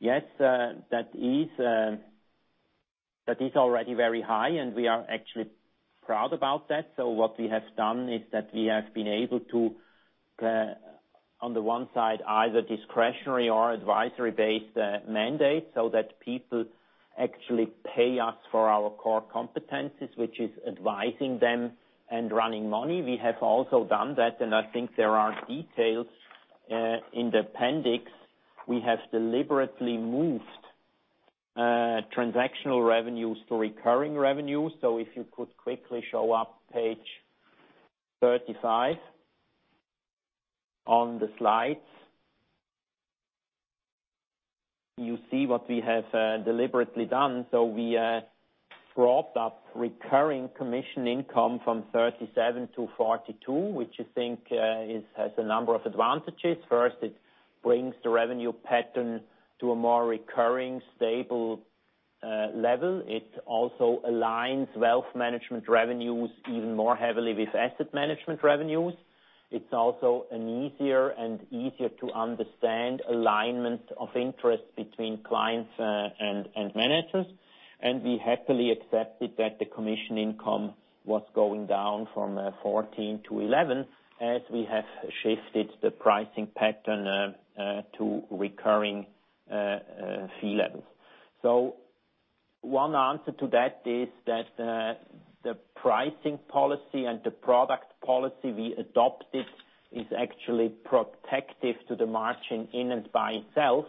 Yes, that is already very high, and we are actually proud about that. What we have done is that we have been able to, on the one side, either discretionary or advisory-based mandate, so that people actually pay us for our core competencies, which is advising them and running money. We have also done that, and I think there are details in the appendix. We have deliberately moved transactional revenues to recurring revenues. If you could quickly show up page 35 on the slides. You see what we have deliberately done. We dropped up recurring commission income from 37%-42%, which I think has a number of advantages. First, it brings the revenue pattern to a more recurring, stable level. It also aligns wealth management revenues even more heavily with asset management revenues. It's also an easier and easier to understand alignment of interests between clients and managers. We happily accepted that the commission income was going down from 14% to 11% as we have shifted the pricing pattern to recurring fee levels. One answer to that is that the pricing policy and the product policy we adopted is actually protective to the margin in and by itself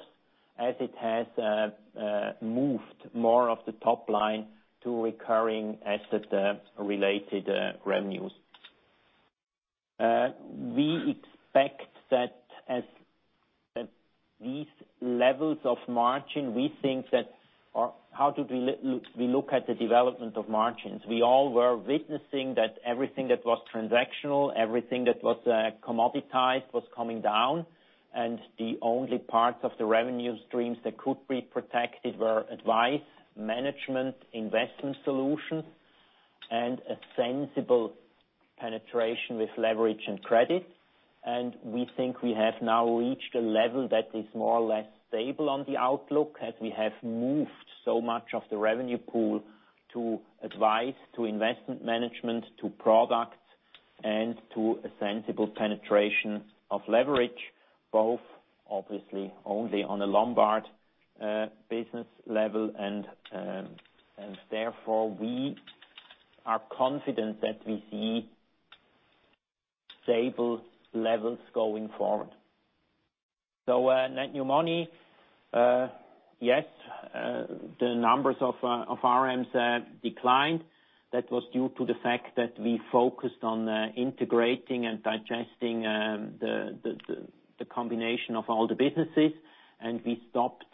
as it has moved more of the top line to recurring asset-related revenues. We expect that at these levels of margin, we think that or how do we look at the development of margins? We all were witnessing that everything that was transactional, everything that was commoditized, was coming down, and the only parts of the revenue streams that could be protected were advice, management, investment solutions, and a sensible penetration with leverage and credit. We think we have now reached a level that is more or less stable on the outlook as we have moved so much of the revenue pool to advice, to investment management, to products and to a sensible penetration of leverage, both obviously only on a Lombard business level and therefore we are confident that we see stable levels going forward. Net new money. Yes, the numbers of RMs declined. That was due to the fact that we focused on integrating and digesting the combination of all the businesses, and we stopped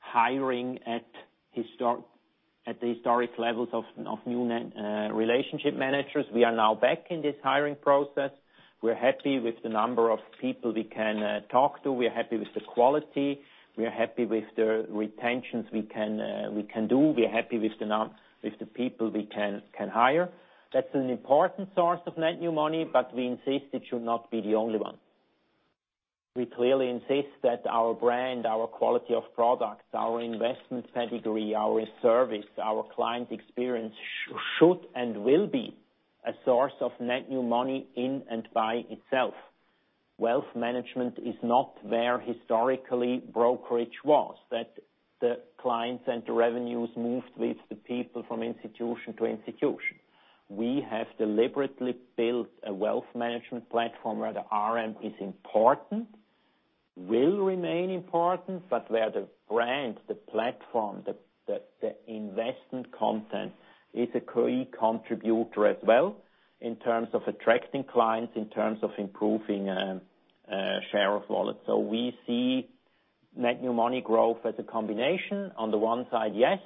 hiring at the historic levels of new relationship managers. We are now back in this hiring process. We're happy with the number of people we can talk to. We are happy with the quality. We are happy with the retentions we can do. We are happy with the people we can hire. That's an important source of net new money but we insist it should not be the only one. We clearly insist that our brand, our quality of products, our investment pedigree, our service, our client experience should and will be a source of net new money in and by itself. Wealth management is not where historically brokerage was, that the clients and the revenues moved with the people from institution to institution. We have deliberately built a wealth management platform where the RM is important, will remain important, but where the brand, the platform, the investment content is a key contributor as well in terms of attracting clients, in terms of improving share of wallet. We see net new money growth as a combination. On the one side, yes,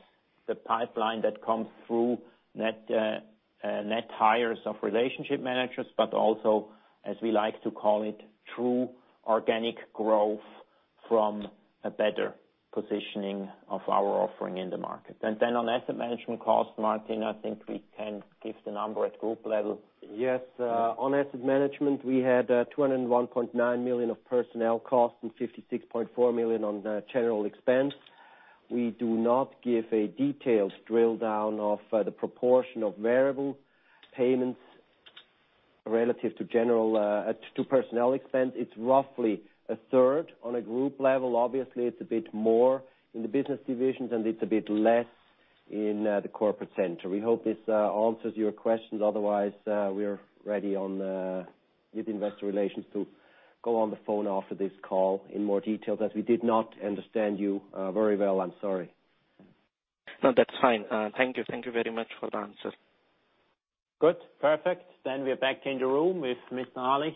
the pipeline that comes through net hires of Relationship Managers, but also, as we like to call it, true organic growth from a better positioning of our offering in the market. On asset management cost, Martin, I think we can give the number at group level. Yes. On asset management, we had 201.9 million of personnel costs and 56.4 million on general expense. We do not give a detailed drill down of the proportion of variable payments relative to personnel expense. It's roughly a third on a group level. Obviously, it's a bit more in the business divisions and it's a bit less in the corporate center. We hope this answers your questions. Otherwise, we are ready with investor relations to go on the phone after this call in more detail, as we did not understand you very well. I'm sorry. No, that's fine. Thank you. Thank you very much for the answers. Good. Perfect. We are back in the room with Mr. Regli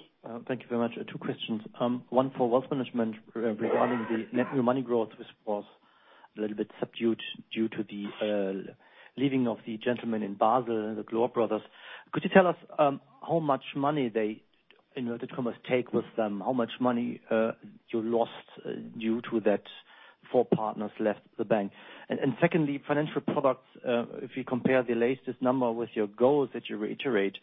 Thank you very much. Two questions. One for wealth management regarding the net new money growth, which was a little bit subdued due to the leaving of the gentleman in Basel, the Gloor brothers. Could you tell us how much money they took with them? How much money you lost due to that four partners left the bank? Secondly, financial products. If you compare the latest number with your goals that you reiterate,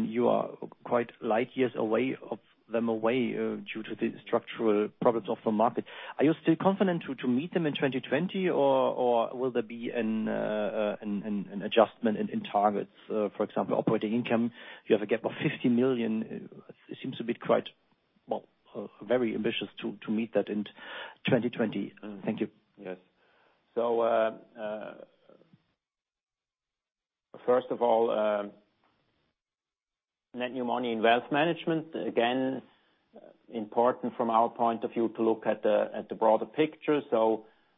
you are quite light years away of them due to the structural problems of the market. Are you still confident to meet them in 2020 or will there be an adjustment in targets? For example, operating income, you have a gap of 50 million. It seems to be quite well, very ambitious to meet that in 2020. Thank you. Yes. First of all, net new money in wealth management, again, important from our point of view to look at the broader picture.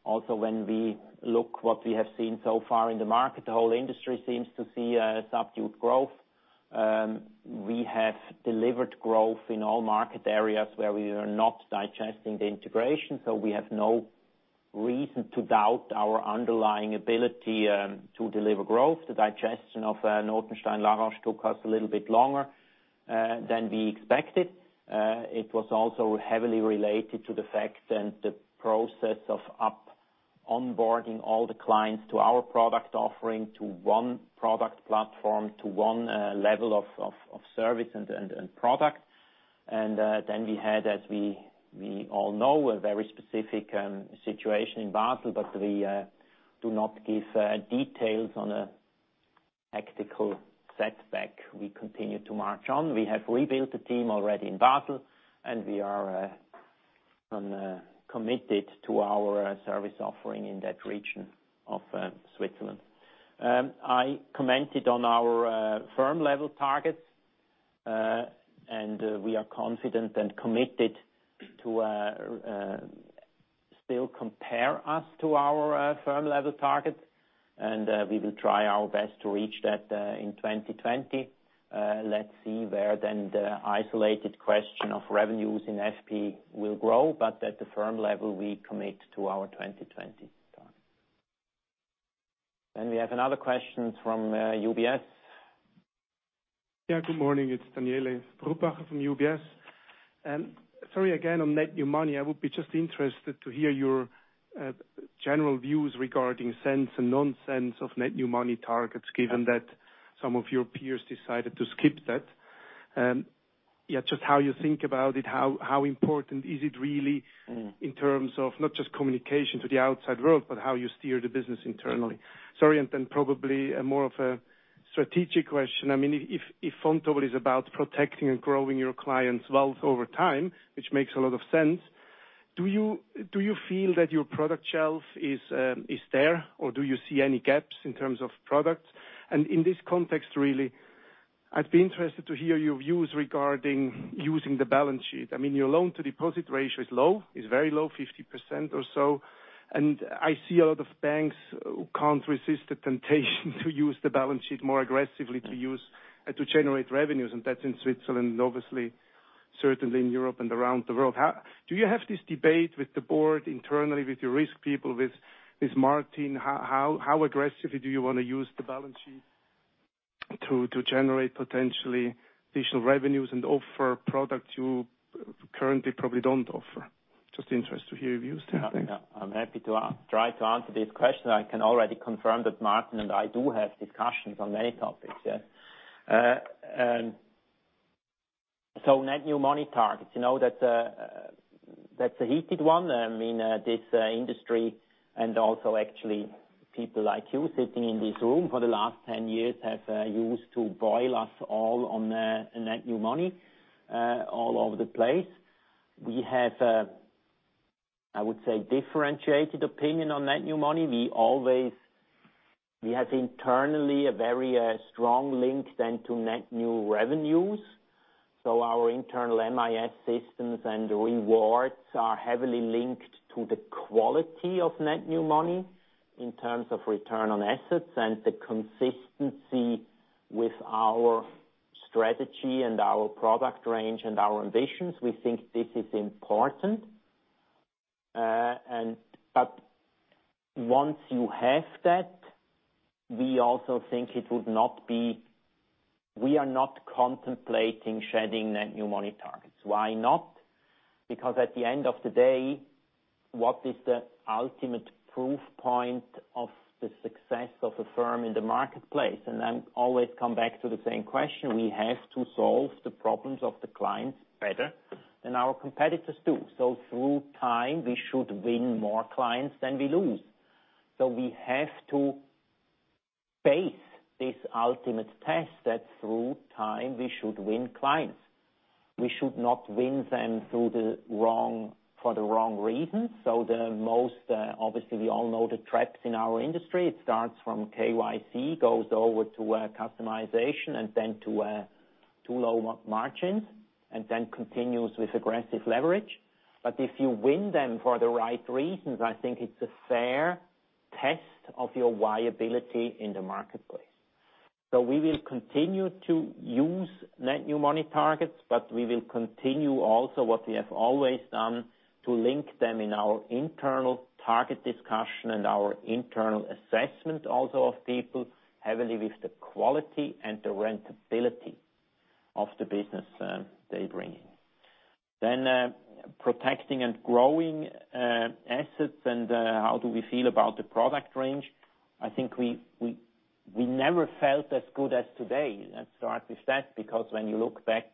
Also when we look what we have seen so far in the market, the whole industry seems to see a subdued growth. We have delivered growth in all market areas where we are not digesting the integration, so we have no reason to doubt our underlying ability to deliver growth. The digestion of Notenstein La Roche took us a little bit longer than we expected. It was also heavily related to the fact and the process of onboarding all the clients to our product offering to one product platform, to one level of service and product. We had, as we all know, a very specific situation in Basel, but we do not give details on a tactical setback. We continue to march on. We have rebuilt the team already in Basel. We are committed to our service offering in that region of Switzerland. I commented on our firm level targets. We are confident and committed to still compare us to our firm level targets. We will try our best to reach that in 2020. Let's see where then the isolated question of revenues in FP will grow, but at the firm level, we commit to our 2020 target. We have another question from UBS. Good morning. It's Daniele Brupbacher from UBS. Sorry, again, on net new money. I would be just interested to hear your general views regarding sense and nonsense of net new money targets, given that some of your peers decided to skip that. Just how you think about it, how important is it really in terms of not just communication to the outside world, but how you steer the business internally? Sorry, then probably more of a strategic question. If Vontobel is about protecting and growing your clients' wealth over time, which makes a lot of sense, do you feel that your product shelf is there, or do you see any gaps in terms of products? In this context, really, I'd be interested to hear your views regarding using the balance sheet. Your loan-to-deposit ratio is low, it's very low, 50% or so. I see a lot of banks who can't resist the temptation to use the balance sheet more aggressively to generate revenues, that's in Switzerland, obviously, certainly in Europe and around the world. Do you have this debate with the board internally, with your risk people, with Martin? How aggressively do you want to use the balance sheet to generate potentially additional revenues and offer products you currently probably don't offer? Just interested to hear your views there, thanks. Yeah. I'm happy to try to answer this question. I can already confirm that Martin and I do have discussions on many topics, yeah. Net new money targets, that's a heated one. This industry and also actually people like you sitting in this room for the last 10 years have used to boil us all on net new money all over the place. We have, I would say, differentiated opinion on net new money. We have internally a very strong link to net new revenues. Our internal MIS systems and rewards are heavily linked to the quality of net new money in terms of return on assets and the consistency with our strategy and our product range and our ambitions. We think this is important. Once you have that, we are not contemplating shedding net new money targets. Why not? At the end of the day, what is the ultimate proof point of the success of a firm in the marketplace? I always come back to the same question. We have to solve the problems of the clients better than our competitors do. Through time, we should win more clients than we lose. We have to face this ultimate test that through time we should win clients. We should not win them for the wrong reasons. Obviously we all know the traps in our industry. It starts from KYC, goes over to customization and then to low margins, and then continues with aggressive leverage. If you win them for the right reasons, I think it's a fair test of your viability in the marketplace. We will continue to use net new money targets, but we will continue also what we have always done to link them in our internal target discussion and our internal assessment also of people heavily with the quality and the profitability of the business they bring in. Protecting and growing assets and how do we feel about the product range. I think we never felt as good as today, let's start with that, because when you look back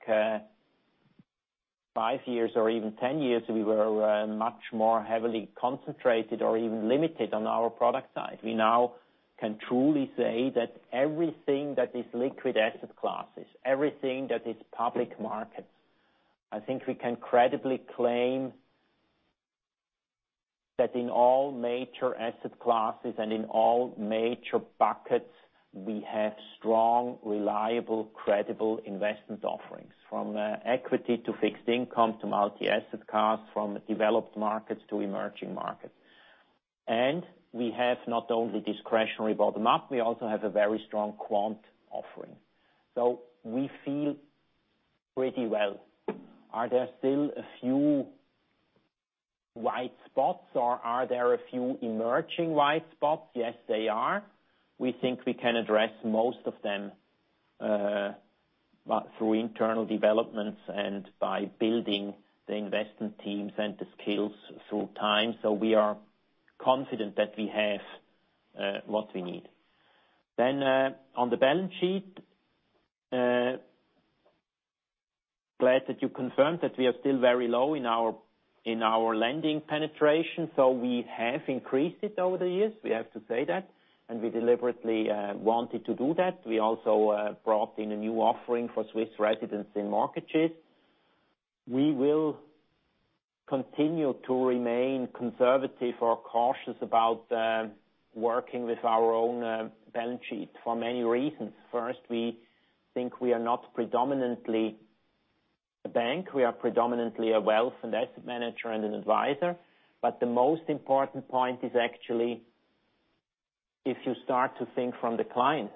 five years or even 10 years, we were much more heavily concentrated or even limited on our product side. We now can truly say that everything that is liquid asset classes, everything that is public markets, I think we can credibly claim that in all major asset classes and in all major buckets, we have strong, reliable, credible investment offerings, from equity to fixed income to multi-asset class, from developed markets to emerging markets. We have not only discretionary bottom-up, we also have a very strong quant offering. We feel pretty well. Are there still a few white spots, or are there a few emerging white spots? Yes, there are. We think we can address most of them through internal developments and by building the investment teams and the skills through time. We are confident that we have what we need. On the balance sheet, glad that you confirmed that we are still very low in our lending penetration. We have increased it over the years. We have to say that, and we deliberately wanted to do that. We also brought in a new offering for Swiss residents in mortgages. We will continue to remain conservative or cautious about working with our own balance sheet for many reasons. First, we think we are not predominantly a bank. We are predominantly a wealth and asset manager and an advisor. The most important point is actually, if you start to think from the client,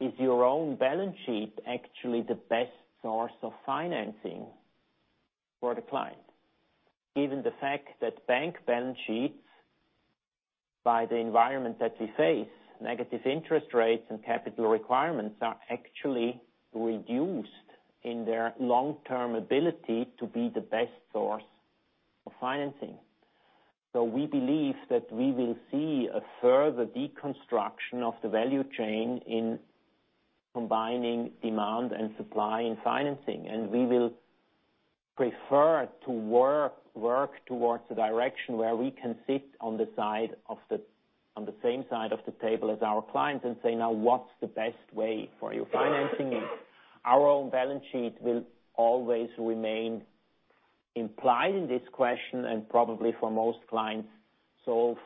is your own balance sheet actually the best source of financing for the client? Given the fact that bank balance sheets, by the environment that we face, negative interest rates and capital requirements are actually reduced in their long-term ability to be the best source of financing. We believe that we will see a further deconstruction of the value chain in combining demand and supply in financing. We will prefer to work towards a direction where we can sit on the same side of the table as our clients and say, "Now, what's the best way for your financing needs?" Our own balance sheet will always remain implied in this question, and probably for most clients, solve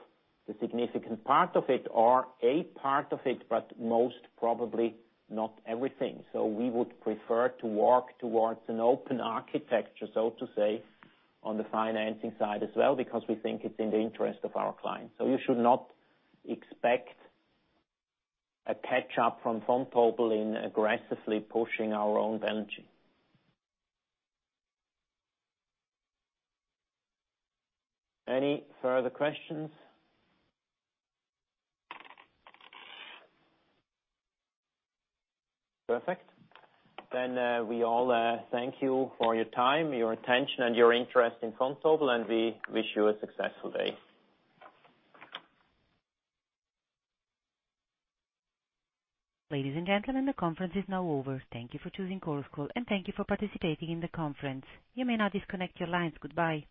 the significant part of it or a part of it, but most probably not everything. We would prefer to work towards an open architecture, so to say, on the financing side as well, because we think it's in the interest of our clients. You should not expect a catch-up from Vontobel in aggressively pushing our own balance sheet. Any further questions? Perfect. We all thank you for your time, your attention, and your interest in Vontobel, and we wish you a successful day. Ladies and gentlemen, the conference is now over. Thank you for choosing Chorus Call, and thank you for participating in the conference. You may now disconnect your lines. Goodbye.